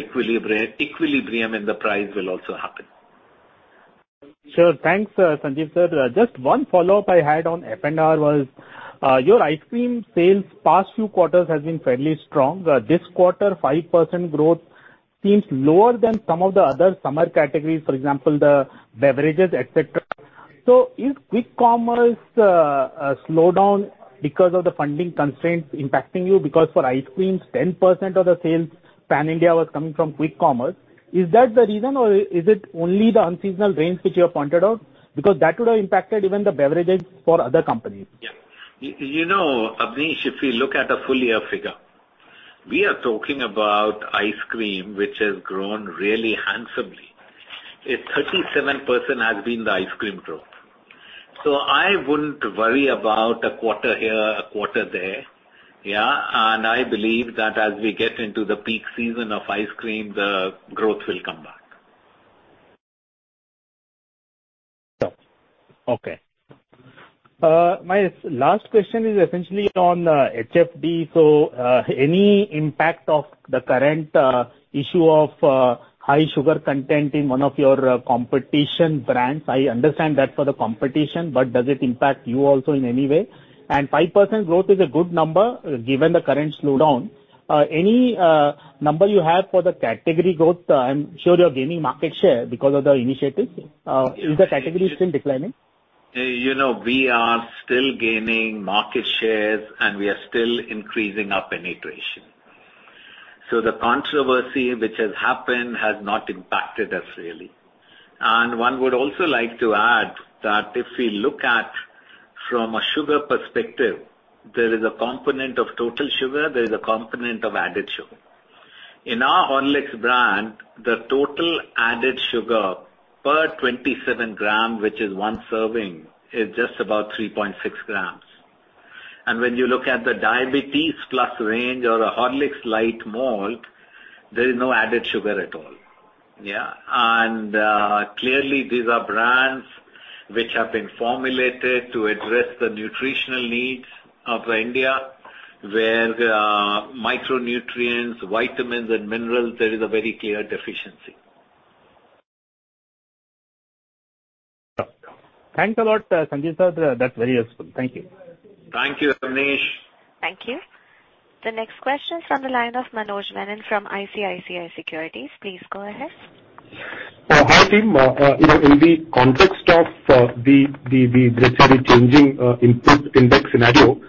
equilibrium in the price will also happen. Sure. Thanks, Sanjiv, sir. Just one follow-up I had on F&R was, your ice cream sales past few quarters has been fairly strong. This quarter, 5% growth seems lower than some of the other summer categories, for example, the beverages, et cetera. Is quick commerce slowdown because of the funding constraints impacting you? For ice creams, 10% of the sales pan-India was coming from quick commerce. Is that the reason, or is it only the unseasonal rains which you have pointed out? That would have impacted even the beverages for other companies. Yeah. You know, Abneesh, if you look at a full year figure, we are talking about ice cream, which has grown really handsomely. A 37% has been the ice cream growth. I wouldn't worry about a quarter here, a quarter there. Yeah. I believe that as we get into the peak season of ice cream, the growth will come back. Sure. Okay. My last question is essentially on HFD. Any impact of the current issue of high sugar content in one of your competition brands? I understand that for the competition, but does it impact you also in any way? 5% growth is a good number, given the current slowdown. Any number you have for the category growth? I'm sure you're gaining market share because of the initiatives. Is the category still declining? You know, we are still gaining market shares, and we are still increasing our penetration. The controversy which has happened has not impacted us really. One would also like to add that if we look at from a sugar perspective, there is a component of total sugar, there is a component of added sugar. In our Horlicks brand, the total added sugar per 27 g, which is one serving, is just about 3.6 g. When you look at the Diabetes Plus range or a Horlicks Lite malt, there is no added sugar at all. Yeah. Clearly these are brands which have been formulated to address the nutritional needs of India, where micronutrients, vitamins, and minerals, there is a very clear deficiency. Sure. Thanks a lot, Sanjiv, sir. That's very useful. Thank you. Thank you, Abneesh. Thank you. The next question is from the line of Manoj Menon from ICICI Securities. Please go ahead. Hi, team. You know, in the context of the, let's say, the changing input index scenario,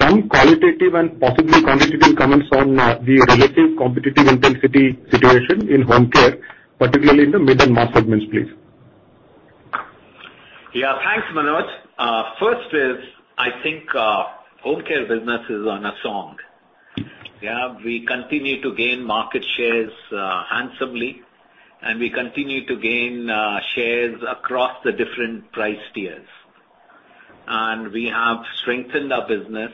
some qualitative and possibly quantitative comments on the relative competitive intensity situation in home care, particularly in the mid and mass segments, please. Yeah. Thanks, Manoj. First is, I think, Home Care business is on a song. Yeah, we continue to gain market shares, handsomely, and we continue to gain, shares across the different price tiers. We have strengthened our business.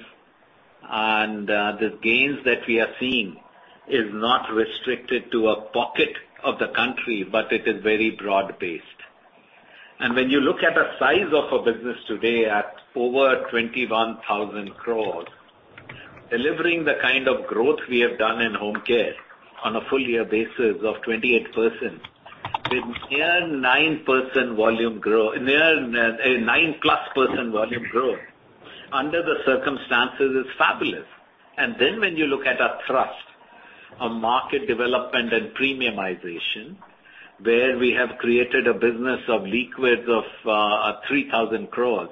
The gains that we are seeing is not restricted to a pocket of the country, but it is very broad-based. When you look at the size of a business today at over 21,000 crores, delivering the kind of growth we have done in home care on a full year basis of 28% with near +9% volume growth under the circumstances is fabulous. When you look at our thrust on market development and premiumization, where we have created a business of liquids of 3,000 crores,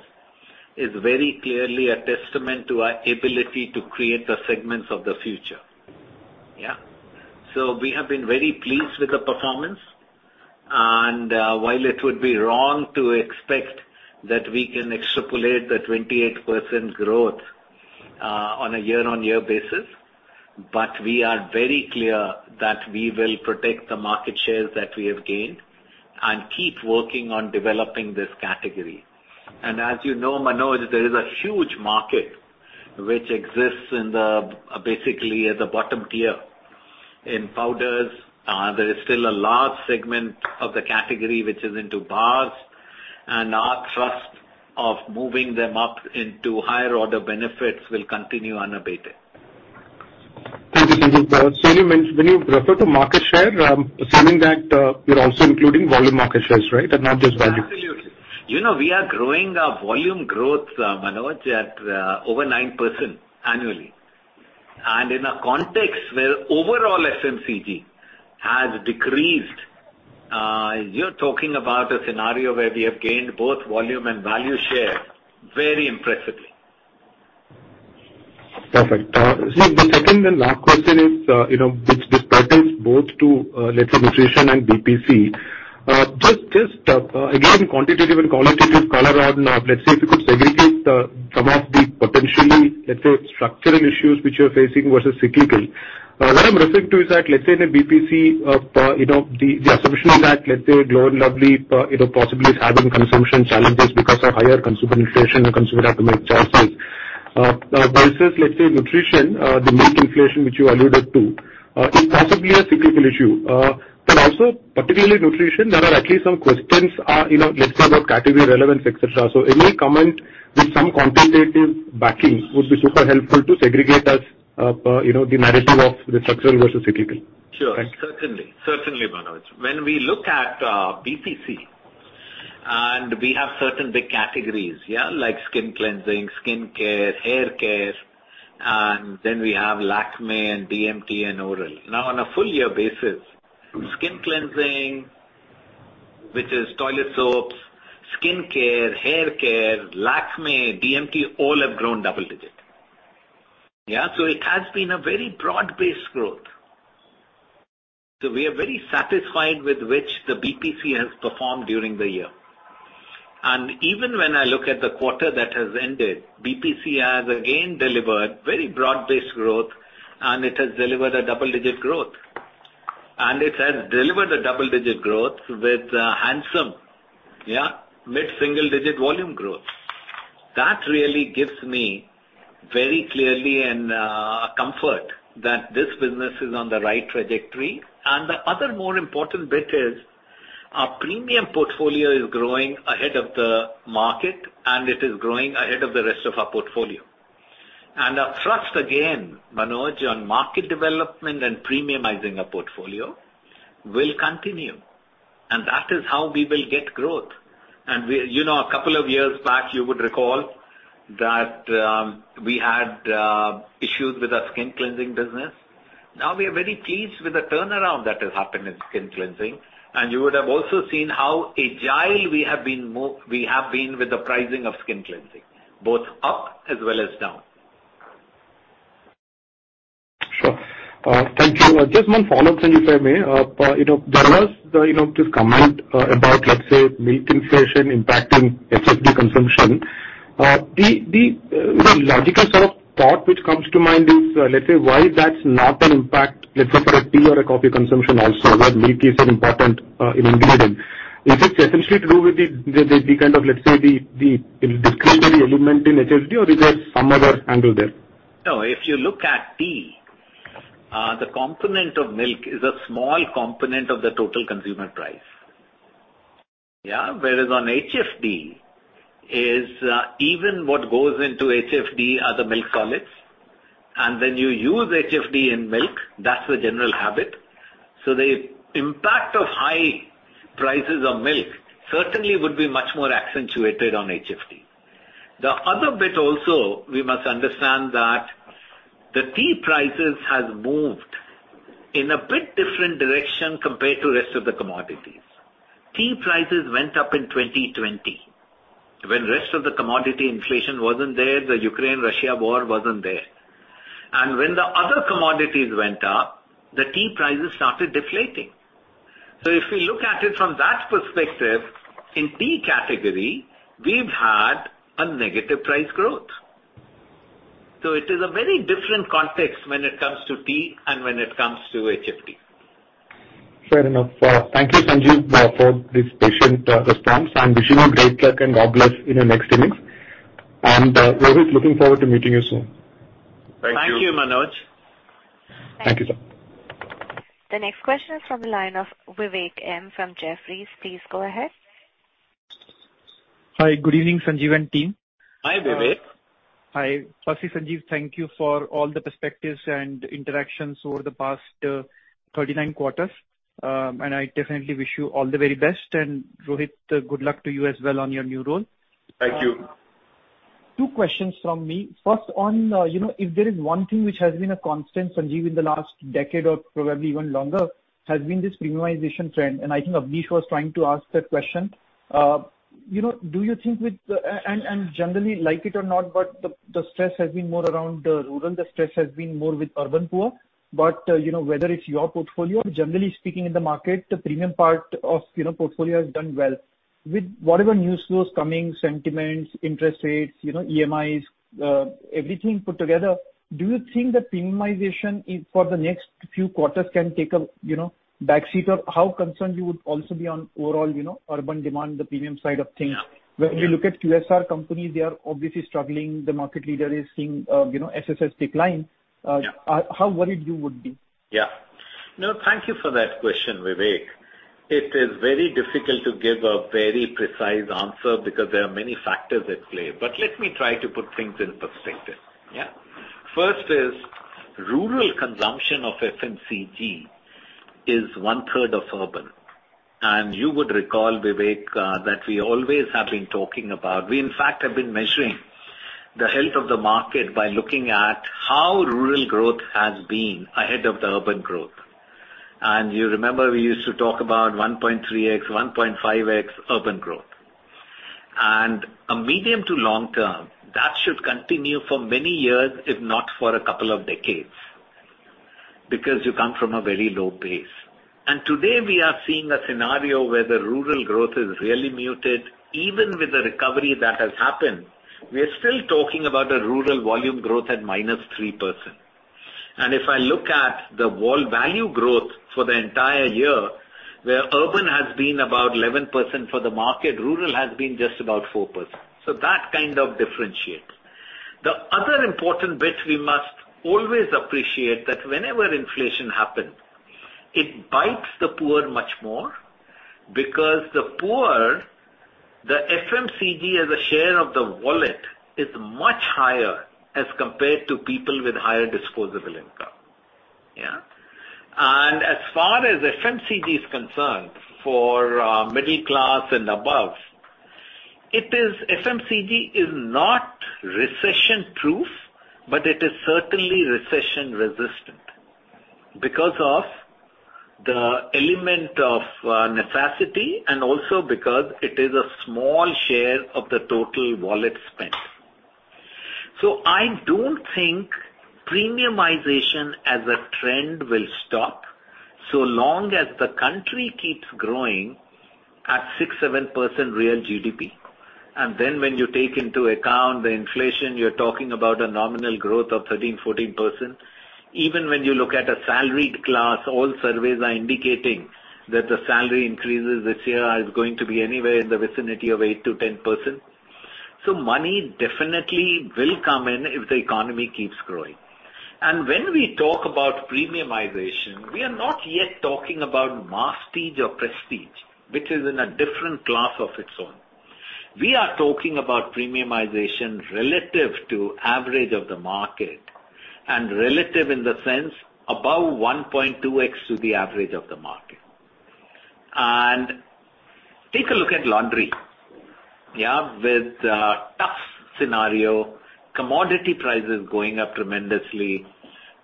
is very clearly a testament to our ability to create the segments of the future. Yeah. We have been very pleased with the performance. While it would be wrong to expect that we can extrapolate the 28% growth on a year-on-year basis, but we are very clear that we will protect the market shares that we have gained and keep working on developing this category. As you know, Manoj, there is a huge market which exists basically at the bottom tier in powders. There is still a large segment of the category which is into bars, and our thrust of moving them up into higher order benefits will continue unabated. Thank you, Sanjiv. When you refer to market share, I'm assuming that you're also including volume market shares, right? Not just value. Absolutely. You know, we are growing our volume growth, Manoj, at over 9% annually. In a context where overall FMCG has decreased, you're talking about a scenario where we have gained both volume and value share very impressively. Perfect. See, the second and last question is, you know, which pertains both to, let's say, nutrition and BPC. Just again, quantitative and qualitative color on, let's say, if you could segregate some of the potentially, let's say, structural issues which you're facing versus cyclical. What I'm referring to is that let's say in a BPC, you know, the assumption is that, let's say, Glow & Lovely, you know, possibly is having consumption challenges because of higher consumer inflation and consumer have to make choices. Versus, let's say, nutrition, the milk inflation which you alluded to, is possibly a cyclical issue. Also particularly nutrition, there are at least some questions, you know, let's say, about category relevance, et cetera. Any comment with some quantitative backing would be super helpful to segregate us, you know, the narrative of the structural versus cyclical. Sure. Thanks. Certainly, Manoj. When we look at BPC, we have certain big categories, like skin cleansing, skincare, haircare, and then we have Lakmé and DMT and Oral. On a full year basis. Mm-hmm. Skin cleansing, which is toilet soaps, skincare, haircare, Lakmé, DMT, all have grown double-digit. It has been a very broad-based growth. We are very satisfied with which the BPC has performed during the year. Even when I look at the quarter that has ended, BPC has again delivered very broad-based growth, and it has delivered a double-digit growth. It has delivered a double-digit growth with a handsome, mid-single-digit volume growth. That really gives me very clearly a comfort that this business is on the right trajectory. The other more important bit is our premium portfolio is growing ahead of the market, and it is growing ahead of the rest of our portfolio. Our trust, again, Manoj, on market development and premiumizing our portfolio will continue, and that is how we will get growth. You know, a couple of years back, you would recall that, we had issues with our skin cleansing business. Now we are very pleased with the turnaround that has happened in skin cleansing, and you would have also seen how agile we have been with the pricing of skin cleansing, both up as well as down. Sure. Thank you. Just one follow-up thing, if I may. You know, there was the, you know, this comment, about, let's say, milk inflation impacting HFD consumption. The, you know, logical sort of thought which comes to mind is, let's say why that's not an impact, let's say, for a tea or a coffee consumption also where milk is an important, you know, ingredient. Is it essentially to do with the kind of, let's say, the discretionary element in HFD or is there some other angle there? No. If you look at tea, the component of milk is a small component of the total consumer price. Yeah. Whereas on HFD is, even what goes into HFD are the milk solids, and then you use HFD in milk. That's the general habit. The impact of high prices of milk certainly would be much more accentuated on HFD. The other bit also, we must understand that the tea prices has moved in a bit different direction compared to rest of the commodities. Tea prices went up in 2020 when rest of the commodity inflation wasn't there, the Ukraine-Russia war wasn't there. When the other commodities went up, the tea prices started deflating. If we look at it from that perspective, in tea category, we've had a negative price growth. It is a very different context when it comes to tea and when it comes to HFD. Fair enough. Thank you, Sanjiv, for this patient, response, wishing you great luck and all the best in your next innings. Rohit, looking forward to meeting you soon. Thank you. Thank you, Manoj. Thank you, sir. The next question is from the line of Vivek Maheshwari from Jefferies. Please go ahead. Hi. Good evening, Sanjiv and team. Hi, Vivek. Hi. Firstly, Sanjiv Mehta, thank you for all the perspectives and interactions over the past, 39 quarters. I definitely wish you all the very best. Rohit Jawa, good luck to you as well on your new role. Thank you. Two questions from me. First on, you know, if there is one thing which has been a constant, Sanjiv, in the last decade or probably even longer, has been this premiumization trend. I think Abneesh was trying to ask that question. You know, do you think with generally, like it or not, the stress has been more around rural, the stress has been more with urban poor. You know, whether it's your portfolio, generally speaking in the market, the premium part of, you know, portfolio has done well. With whatever news flows coming, sentiments, interest rates, you know, EMIs, everything put together, do you think that premiumization is, for the next few quarters can take a, you know, backseat? How concerned you would also be on overall, you know, urban demand, the premium side of things? Yeah. When you look at QSR companies, they are obviously struggling. The market leader is seeing, you know, SSS decline. Yeah. How worried you would be? Yeah. No, thank you for that question, Vivek. It is very difficult to give a very precise answer because there are many factors at play. Let me try to put things in perspective. Yeah. First is rural consumption of FMCG is one third of urban. You would recall, Vivek, that we always have been talking about. We in fact have been measuring the health of the market by looking at how rural growth has been ahead of the urban growth. You remember we used to talk about 1.3x, 1.5x urban growth. A medium to long term, that should continue for many years, if not for a couple of decades, because you come from a very low base. Today we are seeing a scenario where the rural growth is really muted. Even with the recovery that has happened, we are still talking about a rural volume growth at -3%. If I look at the wall value growth for the entire year, where urban has been about 11% for the market, rural has been just about 4%. That kind of differentiates. The other important bit we must always appreciate that whenever inflation happens, it bites the poor much more because the poor, the FMCG as a share of the wallet is much higher as compared to people with higher disposable income. Yeah? As far as FMCG is concerned, for middle class and above, FMCG is not recession-proof, but it is certainly recession-resistant because of the element of necessity and also because it is a small share of the total wallet spend. I don't think premiumization as a trend will stop, so long as the country keeps growing at 6%, 7% real GDP. Then when you take into account the inflation, you're talking about a nominal growth of 13%, 14%. Even when you look at a salaried class, all surveys are indicating that the salary increases this year is going to be anywhere in the vicinity of 8%-10%. Money definitely will come in if the economy keeps growing. When we talk about premiumization, we are not yet talking about masstige or prestige, which is in a different class of its own. We are talking about premiumization relative to average of the market and relative in the sense above 1.2x to the average of the market. Take a look at laundry. Yeah? With a tough scenario, commodity prices going up tremendously,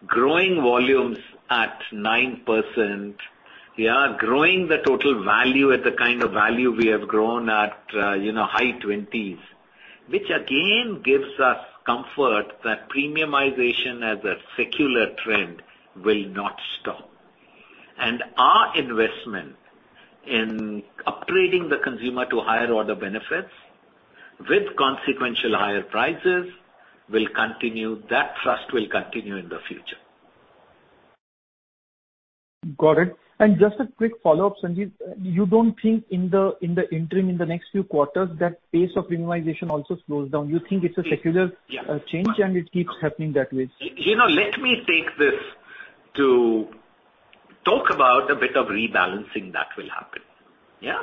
growing volumes at 9%. We are growing the total value at the kind of value we have grown at, you know, high 20s, which again gives us comfort that premiumization as a secular trend will not stop. Our investment in upgrading the consumer to higher order benefits with consequential higher prices will continue. That trust will continue in the future. Got it. Just a quick follow-up, Sanjiv. You don't think in the interim, in the next few quarters, that pace of premiumization also slows down? You think it's a secular- Yeah.... change and it keeps happening that way? You know, let me take this to talk about a bit of rebalancing that will happen. Yeah?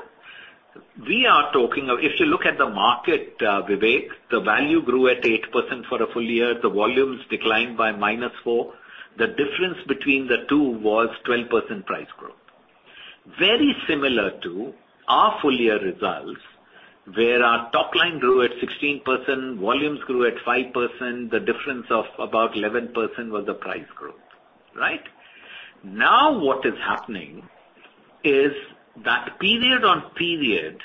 If you look at the market, Vivek, the value grew at 8% for a full year. The volumes declined by -4%. The difference between the two was 12% price growth. Very similar to our full year results, where our top line grew at 16%, volumes grew at 5%. The difference of about 11% was the price growth. Right? Now what is happening is that period on period,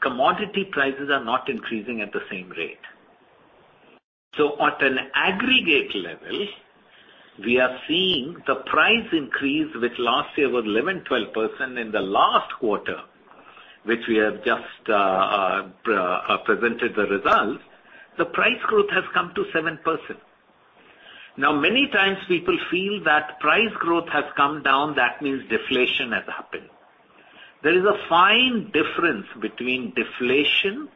commodity prices are not increasing at the same rate. At an aggregate level, we are seeing the price increase, which last year was 11%-12% in the last quarter, which we have just presented the results. The price growth has come to 7%. Many times people feel that price growth has come down, that means deflation has happened. There is a fine difference between deflation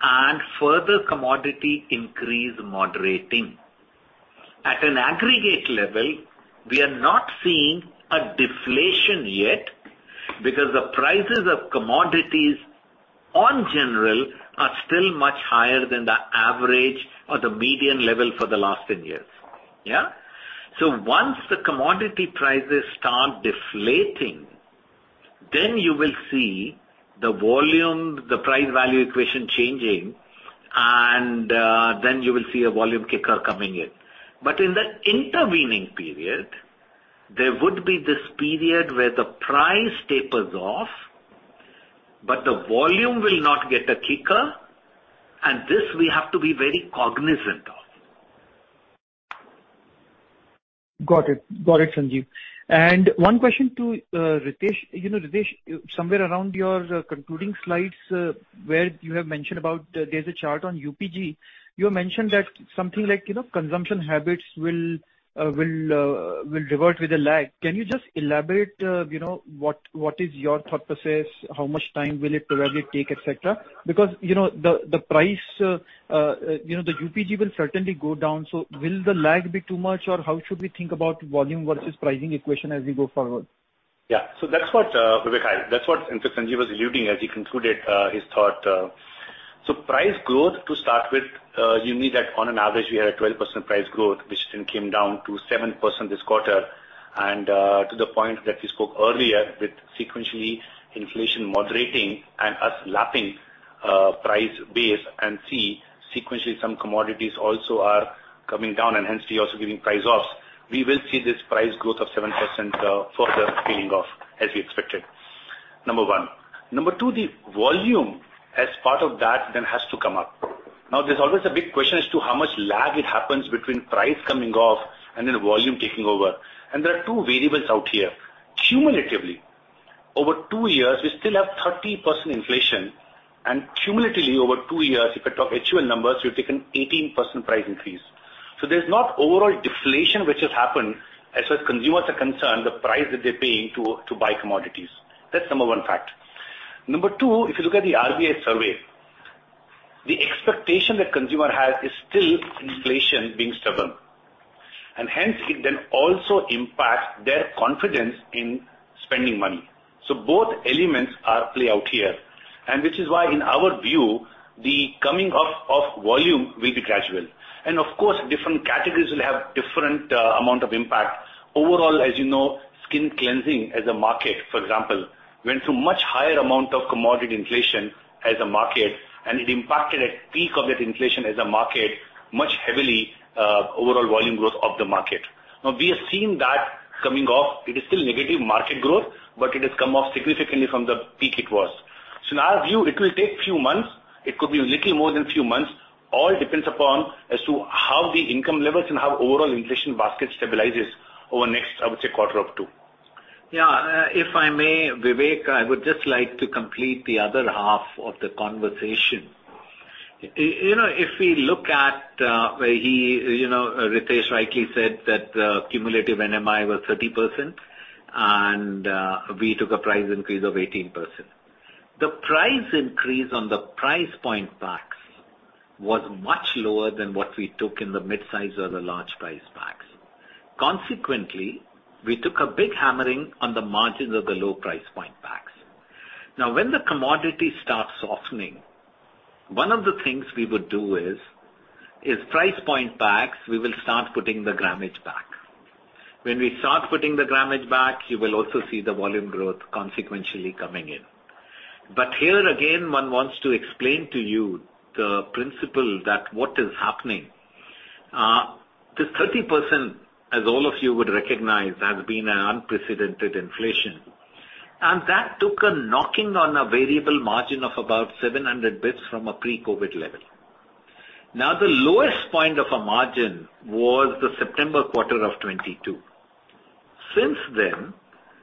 and further commodity increase moderating. At an aggregate level, we are not seeing a deflation yet because the prices of commodities on general are still much higher than the average or the median level for the last 10 years. Yeah? Once the commodity prices start deflating, then you will see the volume, the price value equation changing, and then you will see a volume kicker coming in. In the intervening period, there would be this period where the price tapers off, but the volume will not get a kicker, and this we have to be very cognizant of. Got it. Got it, Sanjiv. One question to Ritesh. You know, Ritesh, somewhere around your concluding slides, where you have mentioned about there's a chart on UPG. You mentioned that something like, you know, consumption habits will revert with a lag. Can you just elaborate, you know, what is your thought process? How much time will it probably take, et cetera? Because, you know, the price, you know, the UPG will certainly go down. Will the lag be too much, or how should we think about volume versus pricing equation as we go forward? That's what Vivek, hi. That's what in fact Sanjiv was alluding as he concluded his thought. Price growth to start with, you need that. On an average we had a 12% price growth, which then came down to 7% this quarter. To the point that we spoke earlier, with sequentially inflation moderating and us lapping price base and see sequentially some commodities also are coming down and hence we're also giving price offs. We will see this price growth of 7% further peeling off as we expected, number one. Number two, the volume as part of that then has to come up. There's always a big question as to how much lag it happens between price coming off and then volume taking over. There are two variables out here. Cumulatively, over 2 years, we still have 30% inflation. Cumulatively over 2 years, if I talk HUL numbers, we've taken 18% price increase. There's not overall deflation which has happened as consumers are concerned, the price that they're paying to buy commodities. That's number one fact. Number two, if you look at the RBI survey, the expectation that consumer has is still inflation being stubborn. Hence it then also impacts their confidence in spending money. Both elements are play out here. Which is why in our view, the coming off of volume will be gradual. Of course, different categories will have different amount of impact. Overall, as you know, skin cleansing as a market, for example, went through much higher amount of commodity inflation as a market, and it impacted at peak of that inflation as a market much heavily, overall volume growth of the market. We are seeing that coming off. It is still negative market growth, but it has come off significantly from the peak it was. In our view, it will take few months. It could be little more than few months. All depends upon as to how the income levels and how overall inflation basket stabilizes over next, I would say, quarter or two. Yeah, if I may, Vivek, I would just like to complete the other half of the conversation. You know, if we look at, you know, Ritesh rightly said that the cumulative NMI was 30% and we took a price increase of 18%. The price increase on the price point packs was much lower than what we took in the midsize or the large price packs. Consequently, we took a big hammering on the margins of the low price point packs. When the commodity starts softening, one of the things we would do is price point packs, we will start putting the grammage back. When we start putting the grammage back, you will also see the volume growth consequentially coming in. Here again, one wants to explain to you the principle that what is happening. This 30%, as all of you would recognize, has been an unprecedented inflation. That took a knocking on a variable margin of about 700 basis points from a pre-COVID level. The lowest point of a margin was the September quarter of 2022.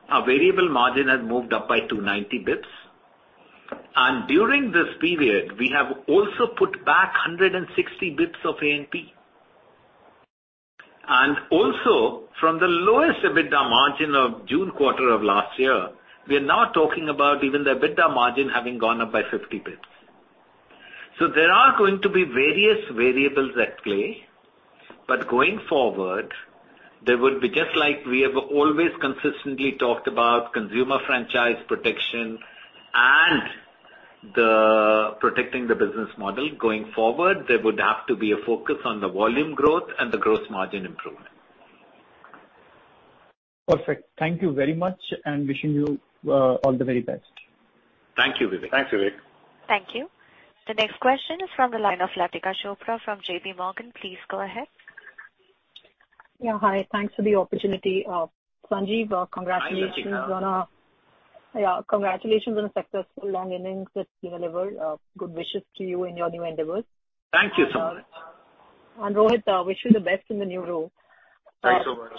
Our variable margin has moved up by 290 basis points, and during this period, we have also put back 160 basis points of A&P. Also from the lowest EBITDA margin of June quarter of last year, we are now talking about even the EBITDA margin having gone up by 50 basis points. There are going to be various variables at play. Going forward, there would be just like we have always consistently talked about consumer franchise protection and the protecting the business model. Going forward, there would have to be a focus on the volume growth and the gross margin improvement. Perfect. Thank you very much, and wishing you all the very best. Thank you, Vivek. Thanks, Vivek. Thank you. The next question is from the line of Latika Chopra from JPMorgan. Please go ahead. Yeah, hi. Thanks for the opportunity. Sanjiv, congratulations on- Hi, Latika. Yeah. Congratulations on a successful long innings that you delivered. Good wishes to you in your new endeavors. Thank you so much. Rohit, wish you the best in the new role. Thanks so much.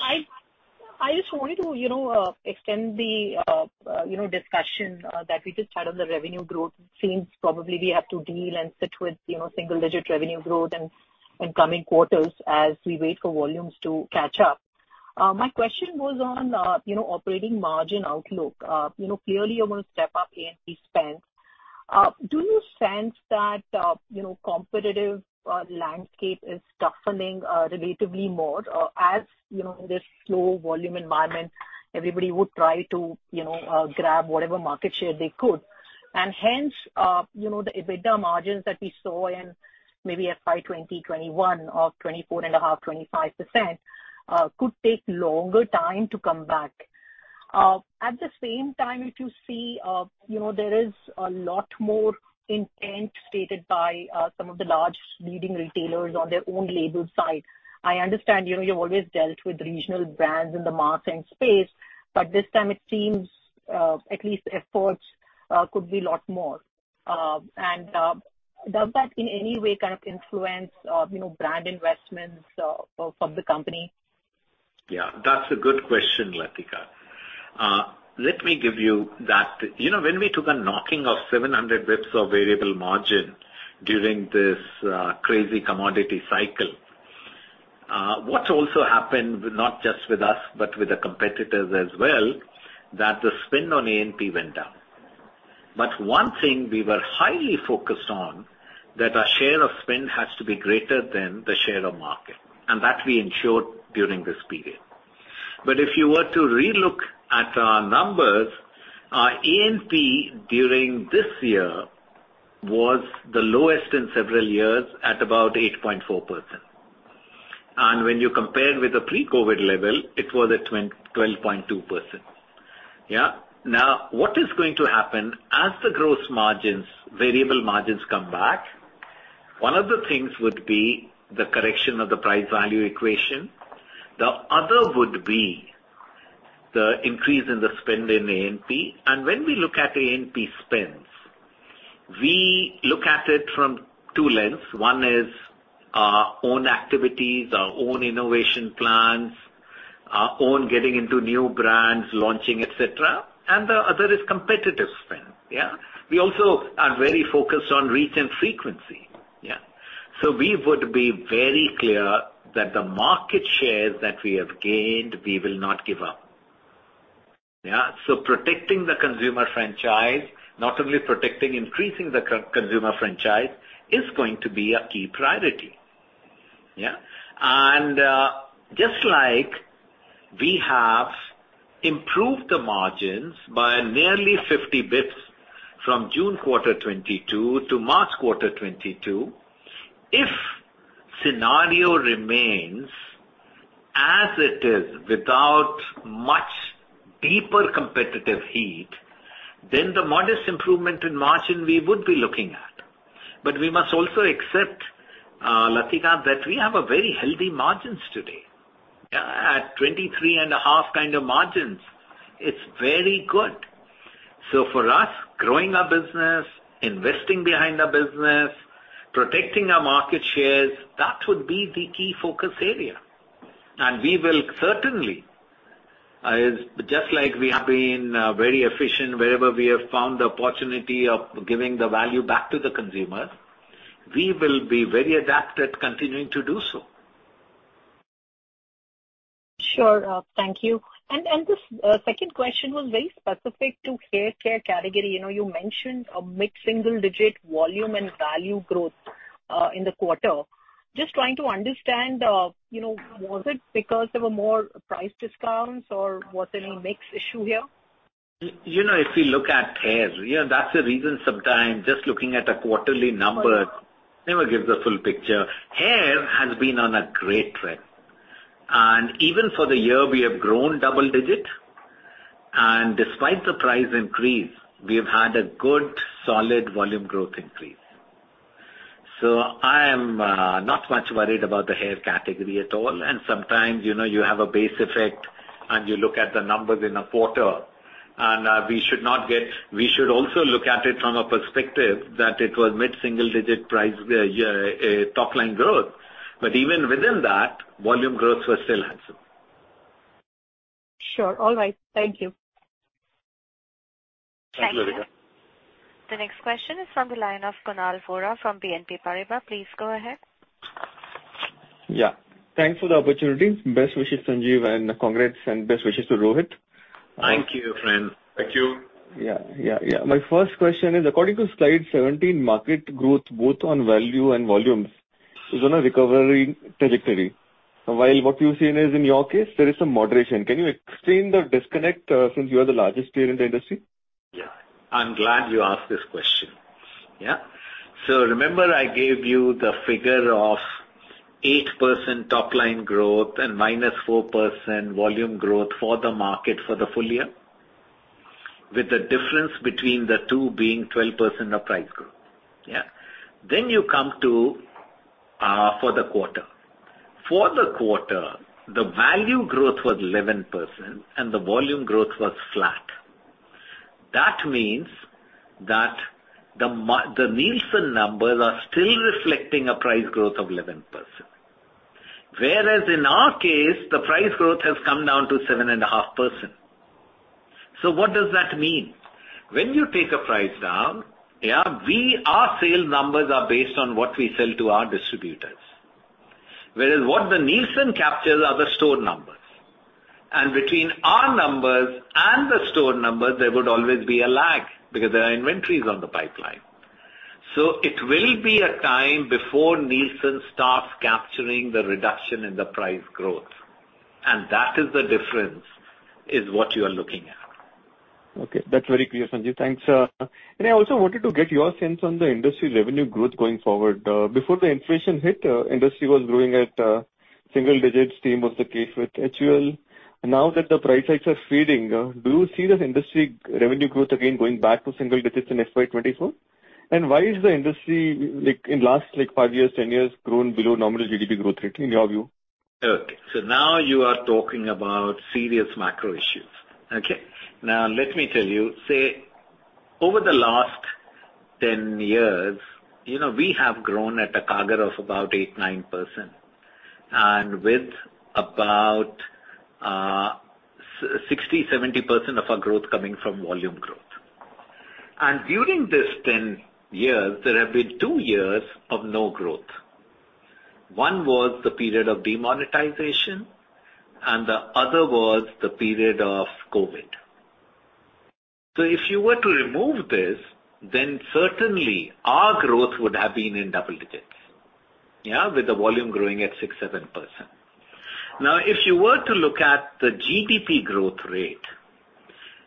I just wanted to, you know, extend the, you know, discussion that we just had on the revenue growth. Seems probably we have to deal and sit with, you know, single-digit revenue growth in coming quarters as we wait for volumes to catch up. My question was on, you know, operating margin outlook. Clearly you want to step up A&P spend. Do you sense that, you know, competitive landscape is toughening relatively more as, you know, in this slow volume environment, everybody would try to, you know, grab whatever market share they could. Hence, you know, the EBITDA margins that we saw in maybe FY 2021 of 24.5%-25% could take longer time to come back. At the same time, if you see, you know, there is a lot more intent stated by some of the large leading retailers on their own label side. I understand, you know, you've always dealt with regional brands in the mass and space, but this time it seems, at least efforts, could be a lot more. Does that in any way kind of influence, you know, brand investments from the company? Yeah, that's a good question, Latika. Let me give you that. You know, when we took a knocking of 700 basis points of variable margin during this crazy commodity cycle, what also happened, not just with us, but with the competitors as well, that the spend on A&P went down. One thing we were highly focused on, that our share of spend has to be greater than the share of market, and that we ensured during this period. If you were to relook at our numbers, our A&P during this year was the lowest in several years at about 8.4%. When you compare with the pre-COVID level, it was at 12.2%. Yeah. What is going to happen as the gross margins, variable margins come back, one of the things would be the correction of the price value equation. The other would be the increase in the spend in A&P. When we look at A&P spends, we look at it from two lens. One is our own activities, our own innovation plans, our own getting into new brands, launching, et cetera, and the other is competitive spend. Yeah. We also are very focused on reach and frequency. Yeah. We would be very clear that the market shares that we have gained, we will not give up. Yeah. Protecting the consumer franchise, not only protecting, increasing the consumer franchise is going to be a key priority. Yeah. Just like we have improved the margins by nearly 50 basis points from June quarter 2022 to March quarter 2022, if scenario remains as it is without much deeper competitive heat, then the modest improvement in margin we would be looking at. We must also accept, Latika, that we have very healthy margins today. Yeah. At 23.5% kind of margins, it's very good. For us, growing our business, investing behind our business, protecting our market shares, that would be the key focus area. We will certainly, just like we have been, very efficient wherever we have found the opportunity of giving the value back to the consumer, we will be very adapted continuing to do so. Sure. Thank you. The second question was very specific to Hair Care category. You know, you mentioned a mid-single digit volume and value growth in the quarter. Just trying to understand, you know, was it because there were more price discounts or was any mix issue here? You know, if you look at Hair, you know, that's the reason sometimes just looking at the quarterly numbers never gives the full picture. Hair has been on a great trend. Even for the year, we have grown double-digit. Despite the price increase, we have had a good solid volume growth increase. I am not much worried about the hair category at all. Sometimes, you know, you have a base effect and you look at the numbers in a quarter. We should also look at it from a perspective that it was mid-single-digit price top line growth. Even within that, volume growths were still handsome. Sure. All right. Thank you. Thanks, Latika. The next question is from the line of Kunal Vora from BNP Paribas. Please go ahead. Yeah. Thanks for the opportunity. Best wishes, Sanjiv, and congrats and best wishes to Rohit. Thank you, friend. Thank you. Yeah. Yeah. Yeah. My first question is, according to slide 17, market growth both on value and volumes is on a recovery trajectory. While what you've seen is in your case, there is some moderation. Can you explain the disconnect since you are the largest player in the industry? Yeah. I'm glad you asked this question. Yeah. Remember I gave you the figure of 8% top line growth and -4% volume growth for the market for the full year, with the difference between the two being 12% of price growth. Yeah. You come to for the quarter. For the quarter, the value growth was 11% and the volume growth was flat. That means that the Nielsen numbers are still reflecting a price growth of 11%. Whereas in our case, the price growth has come down to 7.5%. What does that mean? When you take a price down, yeah, Our sales numbers are based on what we sell to our distributors. Whereas what the Nielsen captures are the store numbers. Between our numbers and the store numbers, there would always be a lag because there are inventories on the pipeline. It will be a time before Nielsen starts capturing the reduction in the price growth. That is the difference, is what you are looking at. Okay, that's very clear, Sanjiv. Thanks. I also wanted to get your sense on the industry revenue growth going forward. Before the inflation hit, industry was growing at single digits, same was the case with HUL. Now that the price hikes are fading, do you see this industry revenue growth again going back to single digits in FY 2024? Why is the industry, like, in last, like, 5 years, 10 years, grown below nominal GDP growth rate in your view? Okay. Now you are talking about serious macro issues. Okay? Now let me tell you, say, over the last 10 years, you know, we have grown at a CAGR of about 8%-9%, and with about 60%-70% of our growth coming from volume growth. During this 10 years, there have been 2 years of no growth. One was the period of demonetization, and the other was the period of COVID. If you were to remove this, then certainly our growth would have been in double digits. Yeah. With the volume growing at 6%-7%. Now, if you were to look at the GDP growth rate,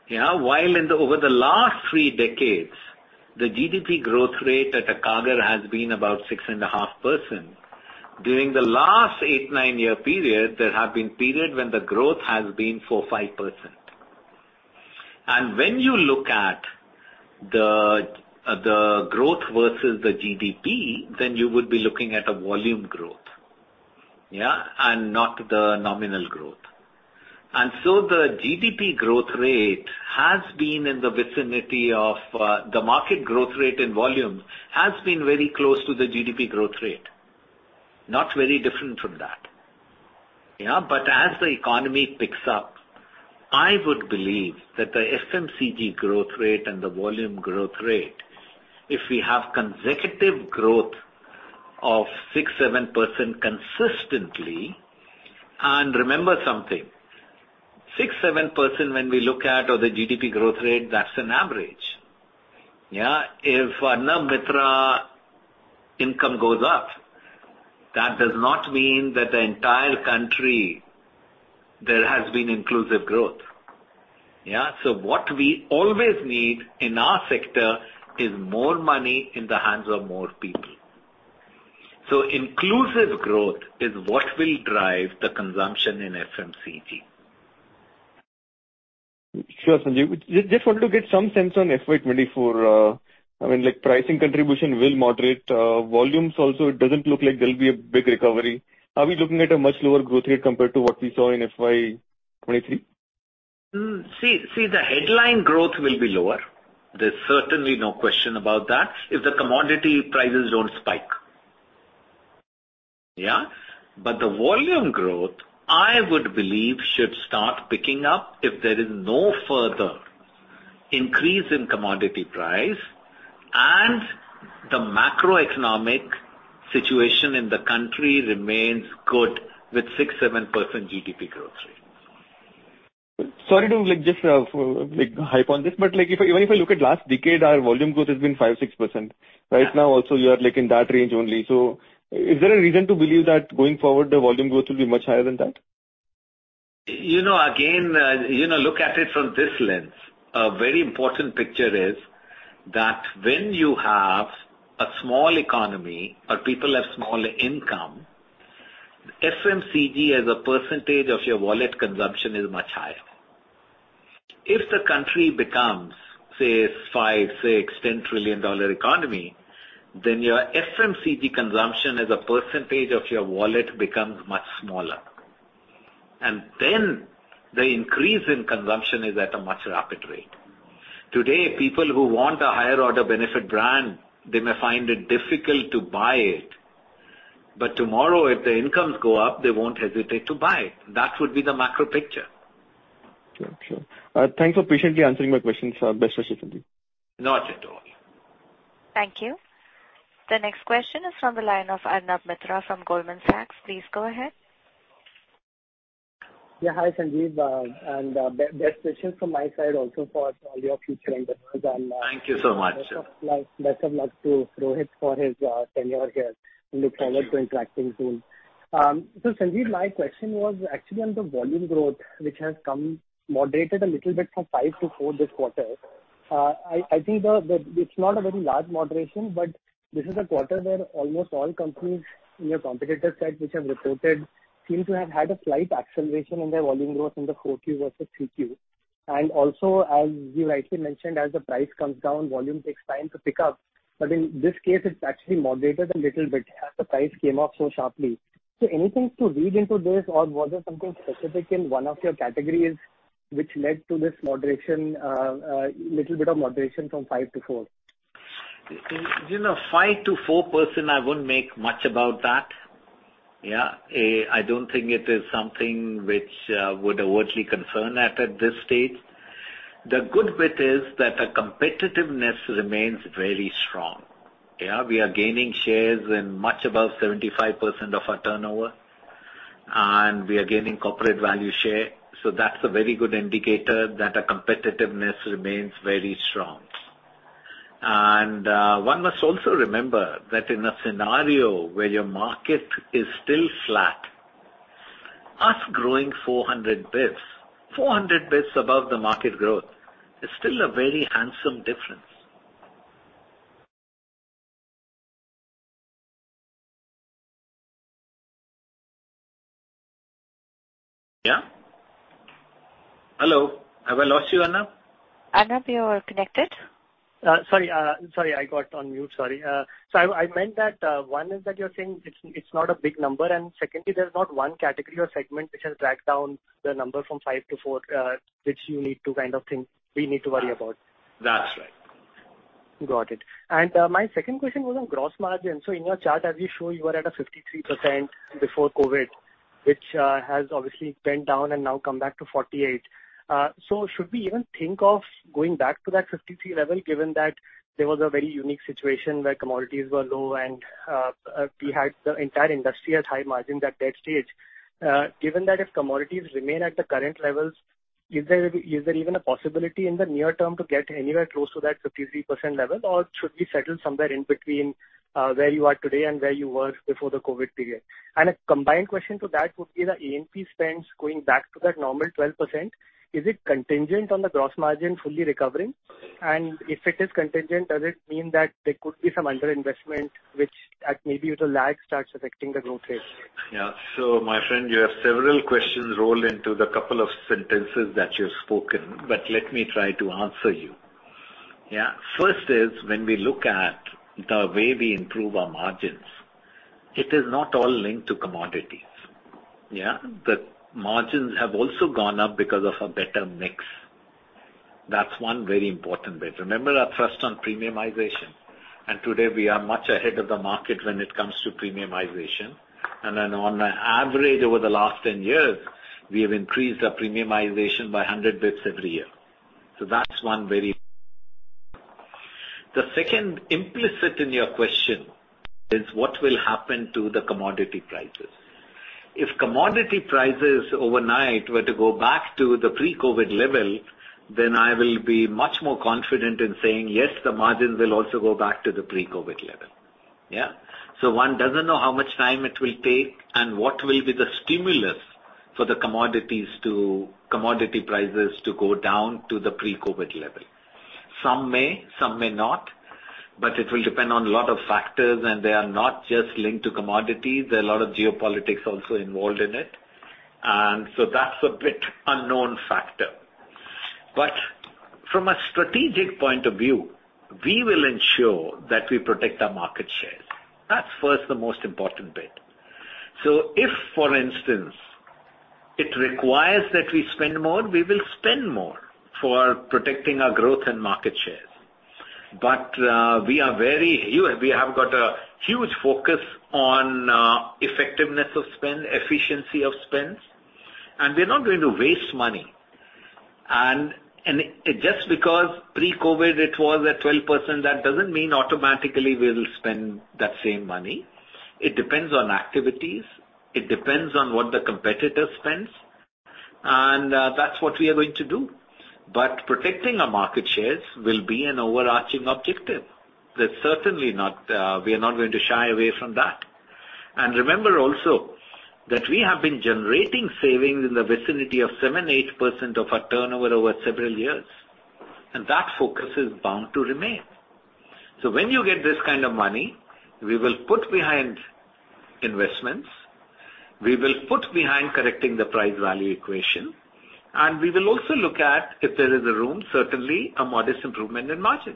yeah, while over the last 3 decades, the GDP growth rate at a CAGR has been about 6.5%. During the last 8, 9-year period, there have been periods when the growth has been 4%, 5%. When you look at the growth versus the GDP, you would be looking at a volume growth, yeah, and not the nominal growth. The GDP growth rate has been in the vicinity of the market growth rate in volume has been very close to the GDP growth rate. Not very different from that. Yeah. As the economy picks up, I would believe that the FMCG growth rate and the volume growth rate, if we have consecutive growth of 6%, 7% consistently. Remember something, 6%, 7% when we look at or the GDP growth rate, that's an average. Yeah. If Arnab Mitra's income goes up, that does not mean that the entire country there has been inclusive growth. Yeah. What we always need in our sector is more money in the hands of more people. Inclusive growth is what will drive the consumption in FMCG. Sure, Sanjiv. Just wanted to get some sense on FY 2024. I mean, like, pricing contribution will moderate. Volumes also, it doesn't look like there'll be a big recovery. Are we looking at a much lower growth rate compared to what we saw in FY 2023? See, the headline growth will be lower. There's certainly no question about that, if the commodity prices don't spike. Yeah. The volume growth, I would believe, should start picking up if there is no further increase in commodity price and the macroeconomic situation in the country remains good with 6%, 7% GDP growth rate. Sorry to, like, just, like, hype on this, but, like, even if I look at last decade, our volume growth has been 5%, 6%. Yeah. Right now also you are, like, in that range only. Is there a reason to believe that going forward the volume growth will be much higher than that? You know, again, you know, look at it from this lens. A very important picture is that when you have a small economy or people have small income, FMCG as a percentage of your wallet consumption is much higher. If the country becomes, say, $5, $6, $10 trillion economy, then your FMCG consumption as a percentage of your wallet becomes much smaller. The increase in consumption is at a much rapid rate. Today, people who want a higher order benefit brand, they may find it difficult to buy it. Tomorrow, if the incomes go up, they won't hesitate to buy it. That would be the macro picture. Sure. Sure. Thanks for patiently answering my questions. Best wishes, Sanjiv. Not at all. Thank you. The next question is from the line of Arnab Mitra from Goldman Sachs. Please go ahead. Yeah. Hi, Sanjiv, and best wishes from my side also for all your future endeavors. Thank you so much. ...best of luck to Rohit for his tenure here. Thank you. We look forward to interacting soon. Sanjiv, my question was actually on the volume growth, which has come moderated a little bit from 5% to 4% this quarter. I think it's not a very large moderation, this is a quarter where almost all companies in your competitor set which have reported seem to have had a slight acceleration in their volume growth in the Q4 versus Q3. Also, as you rightly mentioned, as the price comes down, volume takes time to pick up. In this case, it's actually moderated a little bit as the price came off so sharply. Anything to read into this or was there something specific in one of your categories which led to this moderation, little bit of moderation from 5% to 4%? You know, 5% to 4%, I wouldn't make much about that. Yeah. I don't think it is something which would overtly concern at this stage. The good bit is that the competitiveness remains very strong. Yeah. We are gaining shares in much above 75% of our turnover. We are gaining corporate value share. That's a very good indicator that our competitiveness remains very strong. One must also remember that in a scenario where your market is still flat, us growing 400 basis points above the market growth is still a very handsome difference. Yeah. Hello, have I lost you, Arnab? Arnab, you are connected. Sorry, I got on mute. Sorry. I meant that, one is that you're saying it's not a big number. Secondly, there's not one category or segment which has dragged down the number from 5 to 4, which you need to kind of think we need to worry about. That's right. Got it. My second question was on gross margin. In your chart, as you show, you were at a 53% before COVID, which has obviously been down and now come back to 48%. Should we even think of going back to that 53% level, given that there was a very unique situation where commodities were low and we had the entire industry at high margin at that stage. Given that if commodities remain at the current levels, is there even a possibility in the near term to get anywhere close to that 53% level? Or should we settle somewhere in between where you are today and where you were before the COVID period? A combined question to that would be the A&P spends going back to that normal 12%. Is it contingent on the gross margin fully recovering? If it is contingent, does it mean that there could be some underinvestment which at maybe with a lag starts affecting the growth rate? My friend, you have several questions rolled into the couple of sentences that you've spoken, but let me try to answer you. First is when we look at the way we improve our margins, it is not all linked to commodities. The margins have also gone up because of a better mix. That's one very important bit. Remember our thrust on premiumization, and today we are much ahead of the market when it comes to premiumization. On an average over the last 10 years, we have increased our premiumization by 100 basis points every year. That's one very. The second implicit in your question is what will happen to the commodity prices. If commodity prices overnight were to go back to the pre-COVID level, then I will be much more confident in saying, yes, the margins will also go back to the pre-COVID level. Yeah. One doesn't know how much time it will take and what will be the stimulus for the commodities to commodity prices to go down to the pre-COVID level. Some may, some may not, it will depend on a lot of factors, and they are not just linked to commodities. There are a lot of geopolitics also involved in it, that's a bit unknown factor. From a strategic point of view, we will ensure that we protect our market shares. That's first the most important bit. If, for instance, it requires that we spend more, we will spend more for protecting our growth and market shares. We are very. We have got a huge focus on effectiveness of spend, efficiency of spends, and we're not going to waste money. Just because pre-COVID it was at 12%, that doesn't mean automatically we will spend that same money. It depends on activities. It depends on what the competitor spends, and that's what we are going to do. Protecting our market shares will be an overarching objective. That certainly not, we're not going to shy away from that. Remember also that we have been generating savings in the vicinity of 7%-8% of our turnover over several years, and that focus is bound to remain. When you get this kind of money, we will put behind investments, we will put behind correcting the price value equation, and we will also look at if there is a room, certainly a modest improvement in margin.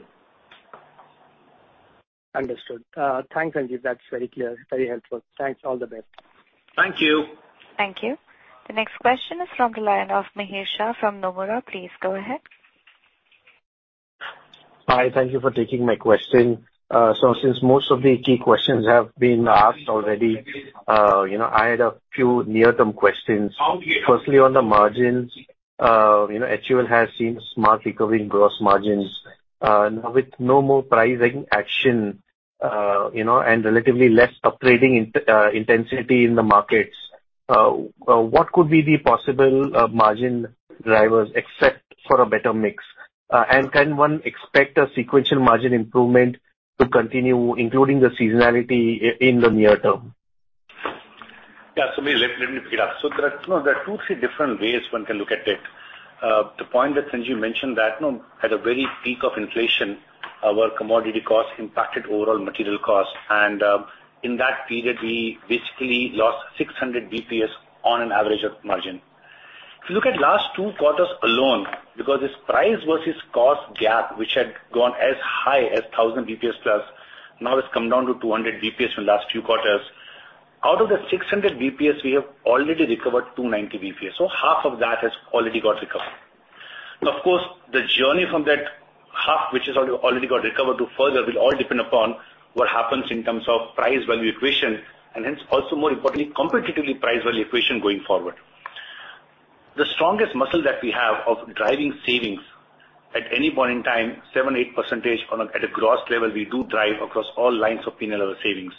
Understood. Thanks, Sanjiv. That's very clear. Very helpful. Thanks. All the best. Thank you. Thank you. The next question is from the line of Mihir Shah from Nomura. Please go ahead. Hi, thank you for taking my question. Since most of the key questions have been asked already, you know, I had a few near-term questions. Firstly, on the margins, you know, HUL has seen a smart recovery in gross margins, with no more pricing action, you know, and relatively less upgrading intensity in the markets. What could be the possible margin drivers except for a better mix? Can one expect a sequential margin improvement to continue, including the seasonality in the near term? Let me, let me pick it up. There are, you know, there are two, three different ways one can look at it. The point that Sanjiv mentioned that, you know, at the very peak of inflation, our commodity costs impacted overall material costs, in that period, we basically lost 600 basis points on an average of margin. If you look at last two quarters alone, because this price versus cost gap, which had gone as high as 1,000+ basis points plus, now has come down to 200 basis points from last few quarters. Out of the 600 basis points, we have already recovered 290 basis points. Half of that has already got recovered. Now, of course, the journey from that half, which has already got recovered to further, will all depend upon what happens in terms of price value equation and hence also more importantly, competitively price value equation going forward. The strongest muscle that we have of driving savings at any point in time, 7%, 8% on a, at a gross level, we do drive across all lines of P&L savings.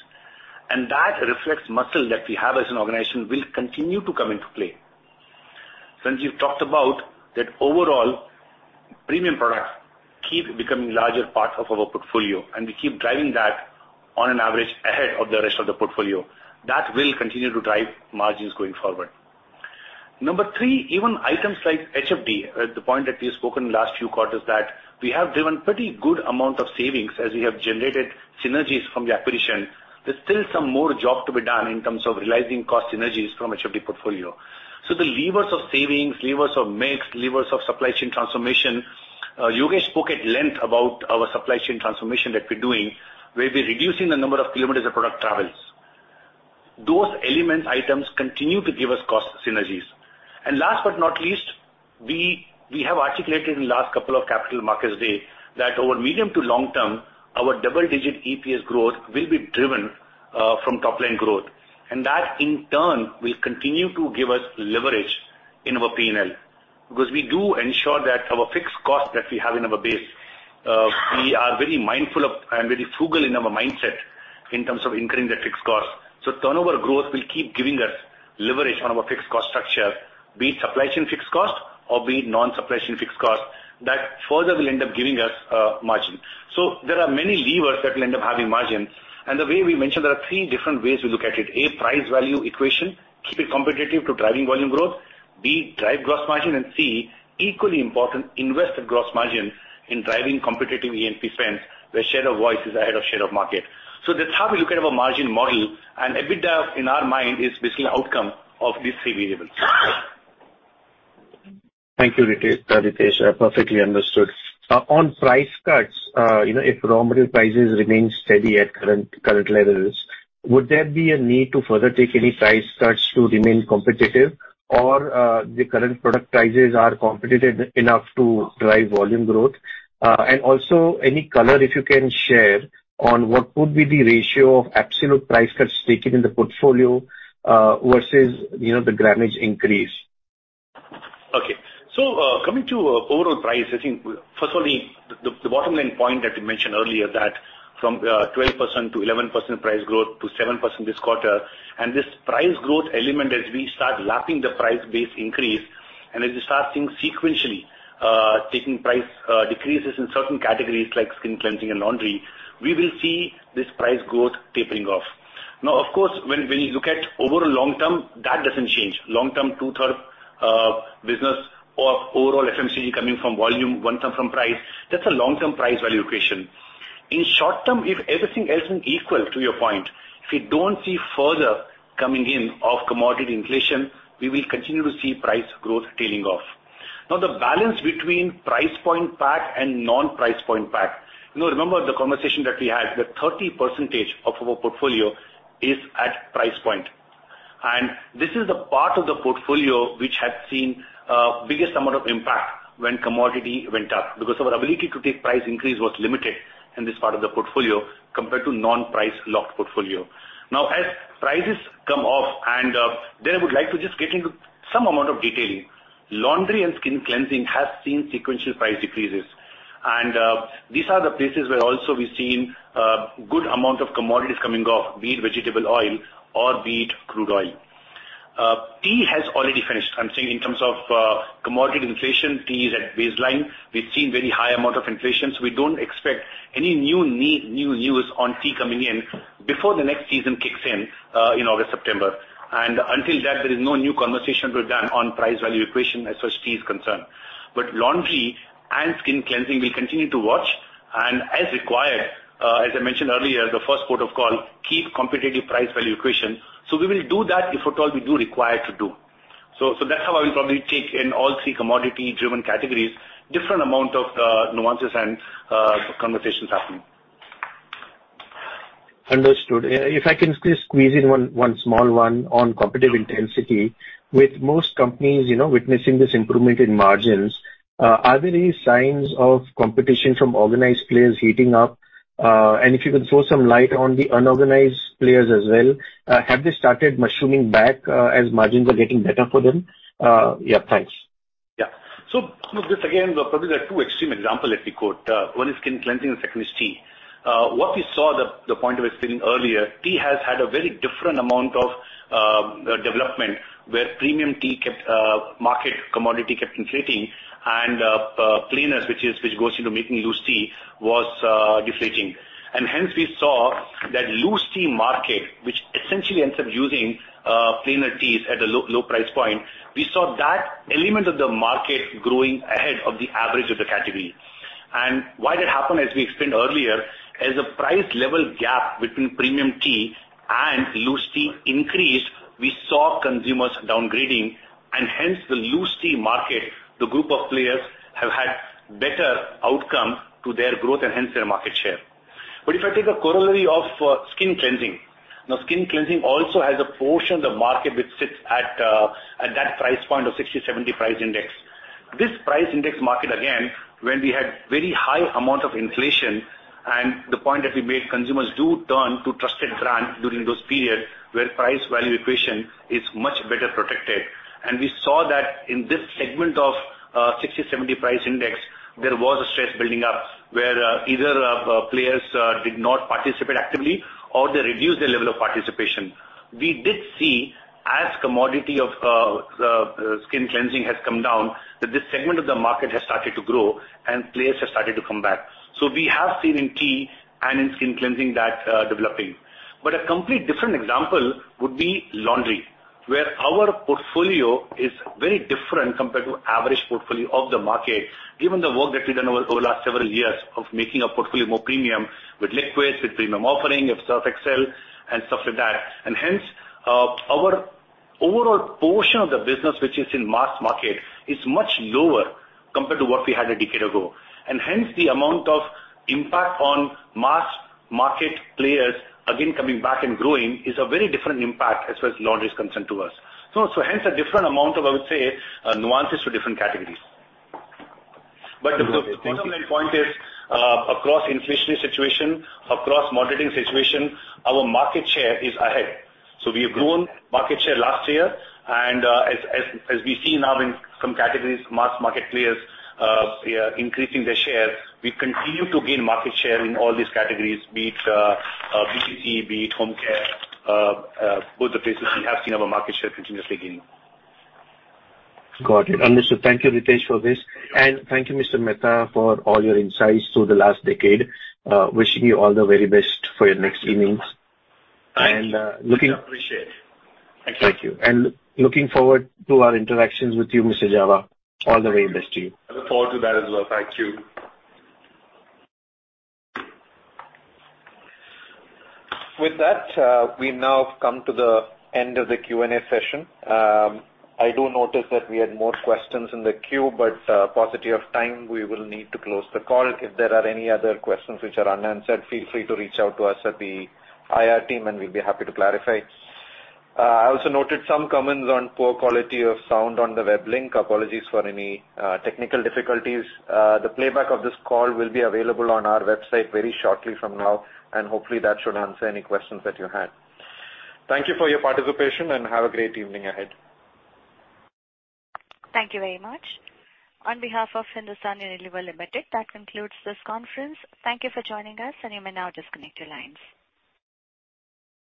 That reflects muscle that we have as an organization will continue to come into play. Sanjiv talked about that overall premium products keep becoming larger parts of our portfolio, We keep driving that on an average ahead of the rest of the portfolio. That will continue to drive margins going forward. Number three, even items like HFD, the point that we've spoken last few quarters, that we have driven pretty good amount of savings as we have generated synergies from the acquisition. There's still some more job to be done in terms of realizing cost synergies from HFD portfolio. The levers of savings, levers of mix, levers of supply chain transformation. Yogesh spoke at length about our supply chain transformation that we're doing, where we're reducing the number of kilometers a product travels. Those elements items continue to give us cost synergies. Last but not least, we have articulated in the last couple of Capital Markets Day that over medium to long term, our double-digit EPS growth will be driven from top-line growth. That in turn will continue to give us leverage in our P&L because we do ensure that our fixed cost that we have in our base. We are very mindful of and very frugal in our mindset in terms of incurring the fixed cost. Turnover growth will keep giving us leverage on our fixed cost structure, be it supply chain fixed cost or be it non-supply chain fixed cost, that further will end up giving us margin. There are many levers that will end up having margin. The way we mentioned, there are three different ways we look at it. A, price value equation, keep it competitive to driving volume growth. B, drive gross margin. C, equally important, invested gross margin in driving competitive A&P spend, where share of voice is ahead of share of market. That's how we look at our margin model, and EBITDA in our mind is basically outcome of these three variables. Thank you, Ritesh. I perfectly understood. On price cuts, you know, if raw material prices remain steady at current levels, would there be a need to further take any price cuts to remain competitive or the current product prices are competitive enough to drive volume growth? Also any color if you can share on what would be the ratio of absolute price cuts taken in the portfolio, versus, you know, the grammage increase? Okay. Coming to overall price, I think firstly, the bottom line point that you mentioned earlier that from 12% to 11% price growth to 7% this quarter and this price growth element as we start lapping the price base increase and as we start seeing sequentially, taking price decreases in certain categories like skin cleansing and laundry, we will see this price growth tapering off. Of course, when you look at overall long-term, that doesn't change. Long-term 2/3 business or overall FMCG coming from volume, 1/3 from price, that's a long-term price value equation. In short-term, if everything else is equal to your point, if we don't see further coming in of commodity inflation, we will continue to see price growth tailing off. The balance between price point pack and non-price point pack. You know, remember the conversation that we had, that 30% of our portfolio is at price point. This is the part of the portfolio which had seen biggest amount of impact when commodity went up because our ability to take price increase was limited in this part of the portfolio compared to non-price locked portfolio. Now as prices come off, there I would like to just get into some amount of detailing. Laundry and skin cleansing has seen sequential price decreases. These are the places where also we've seen good amount of commodities coming off, be it vegetable oil or be it crude oil. Tea has already finished. I'm saying in terms of commodity inflation, tea is at baseline. We've seen very high amount of inflation. We don't expect any new need, new news on tea coming in before the next season kicks in in August, September. Until that there is no new conversation to be done on price value equation as far as tea is concerned. Laundry and skin cleansing we continue to watch and as required, as I mentioned earlier, the first port of call, keep competitive price value equation. We will do that if at all we do require to do. That's how I will probably take in all three commodity driven categories, different amount of nuances and conversations happening. Understood. If I can just squeeze in one small one on competitive intensity. With most companies, you know, witnessing this improvement in margins, are there any signs of competition from organized players heating up? If you can throw some light on the unorganized players as well. Have they started mushrooming back, as margins are getting better for them? Yeah, thanks. Yeah. Just again, probably the two extreme example if we could. One is skin cleansing and second is tea. What we saw the point I was telling earlier, tea has had a very different amount of development, where premium tea kept market commodity kept inflating and planters which is, which goes into making loose tea was deflating. Hence we saw that loose tea market, which essentially ends up using plainer teas at a low price point, we saw that element of the market growing ahead of the average of the category. Why that happened, as we explained earlier, as the price level gap between premium tea and loose tea increased, we saw consumers downgrading and the loose tea market, the group of players have had better outcome to their growth and their market share. If I take a corollary of skin cleansing. Now skin cleansing also has a portion of the market which sits at that price point of 60/70 price index. This price index market again, when we had very high amount of inflation and the point that we made consumers do turn to trusted brand during those periods where price value equation is much better protected. We saw that in this segment of 60/70 price index there was a stress building up where either players did not participate actively or they reduced their level of participation. We did see as commodity of skin cleansing has come down that this segment of the market has started to grow and players have started to come back. We have seen in tea and in skin cleansing that developing. A complete different example would be laundry, where our portfolio is very different compared to average portfolio of the market given the work that we've done over last several years of making our portfolio more premium with liquids, with premium offering of Surf Excel and stuff like that. Hence, our overall portion of the business which is in mass market is much lower compared to what we had a decade ago. Hence the amount of impact on mass market players again coming back and growing is a very different impact as far as laundry is concerned to us. Hence a different amount of, I would say, nuances to different categories. Understood. Thank you. The bottom line point is across inflationary situation, across moderating situation, our market share is ahead. We have grown market share last year and as we see now in some categories mass market players increasing their share, we continue to gain market share in all these categories, be it BPC, be it Home Care, both the places we have seen our market share continuously gain. Got it. Understood. Thank you, Ritesh, for this. Thank you, Mr. Mehta, for all your insights through the last decade. Wishing you all the very best for your next innings. Looking... Appreciate it. Thank you. Thank you. Looking forward to our interactions with you, Mr. Jawa. All the very best to you. I look forward to that as well. Thank you. With that, we now have come to the end of the Q&A session. I do notice that we had more questions in the queue, but paucity of time, we will need to close the call. If there are any other questions which are unanswered, feel free to reach out to us at the IR team, and we'll be happy to clarify. I also noted some comments on poor quality of sound on the web link. Apologies for any technical difficulties. The playback of this call will be available on our website very shortly from now and hopefully that should answer any questions that you had. Thank you for your participation and have a great evening ahead. Thank you very much. On behalf of Hindustan Unilever Limited, that concludes this conference. Thank you for joining us. You may now disconnect your lines.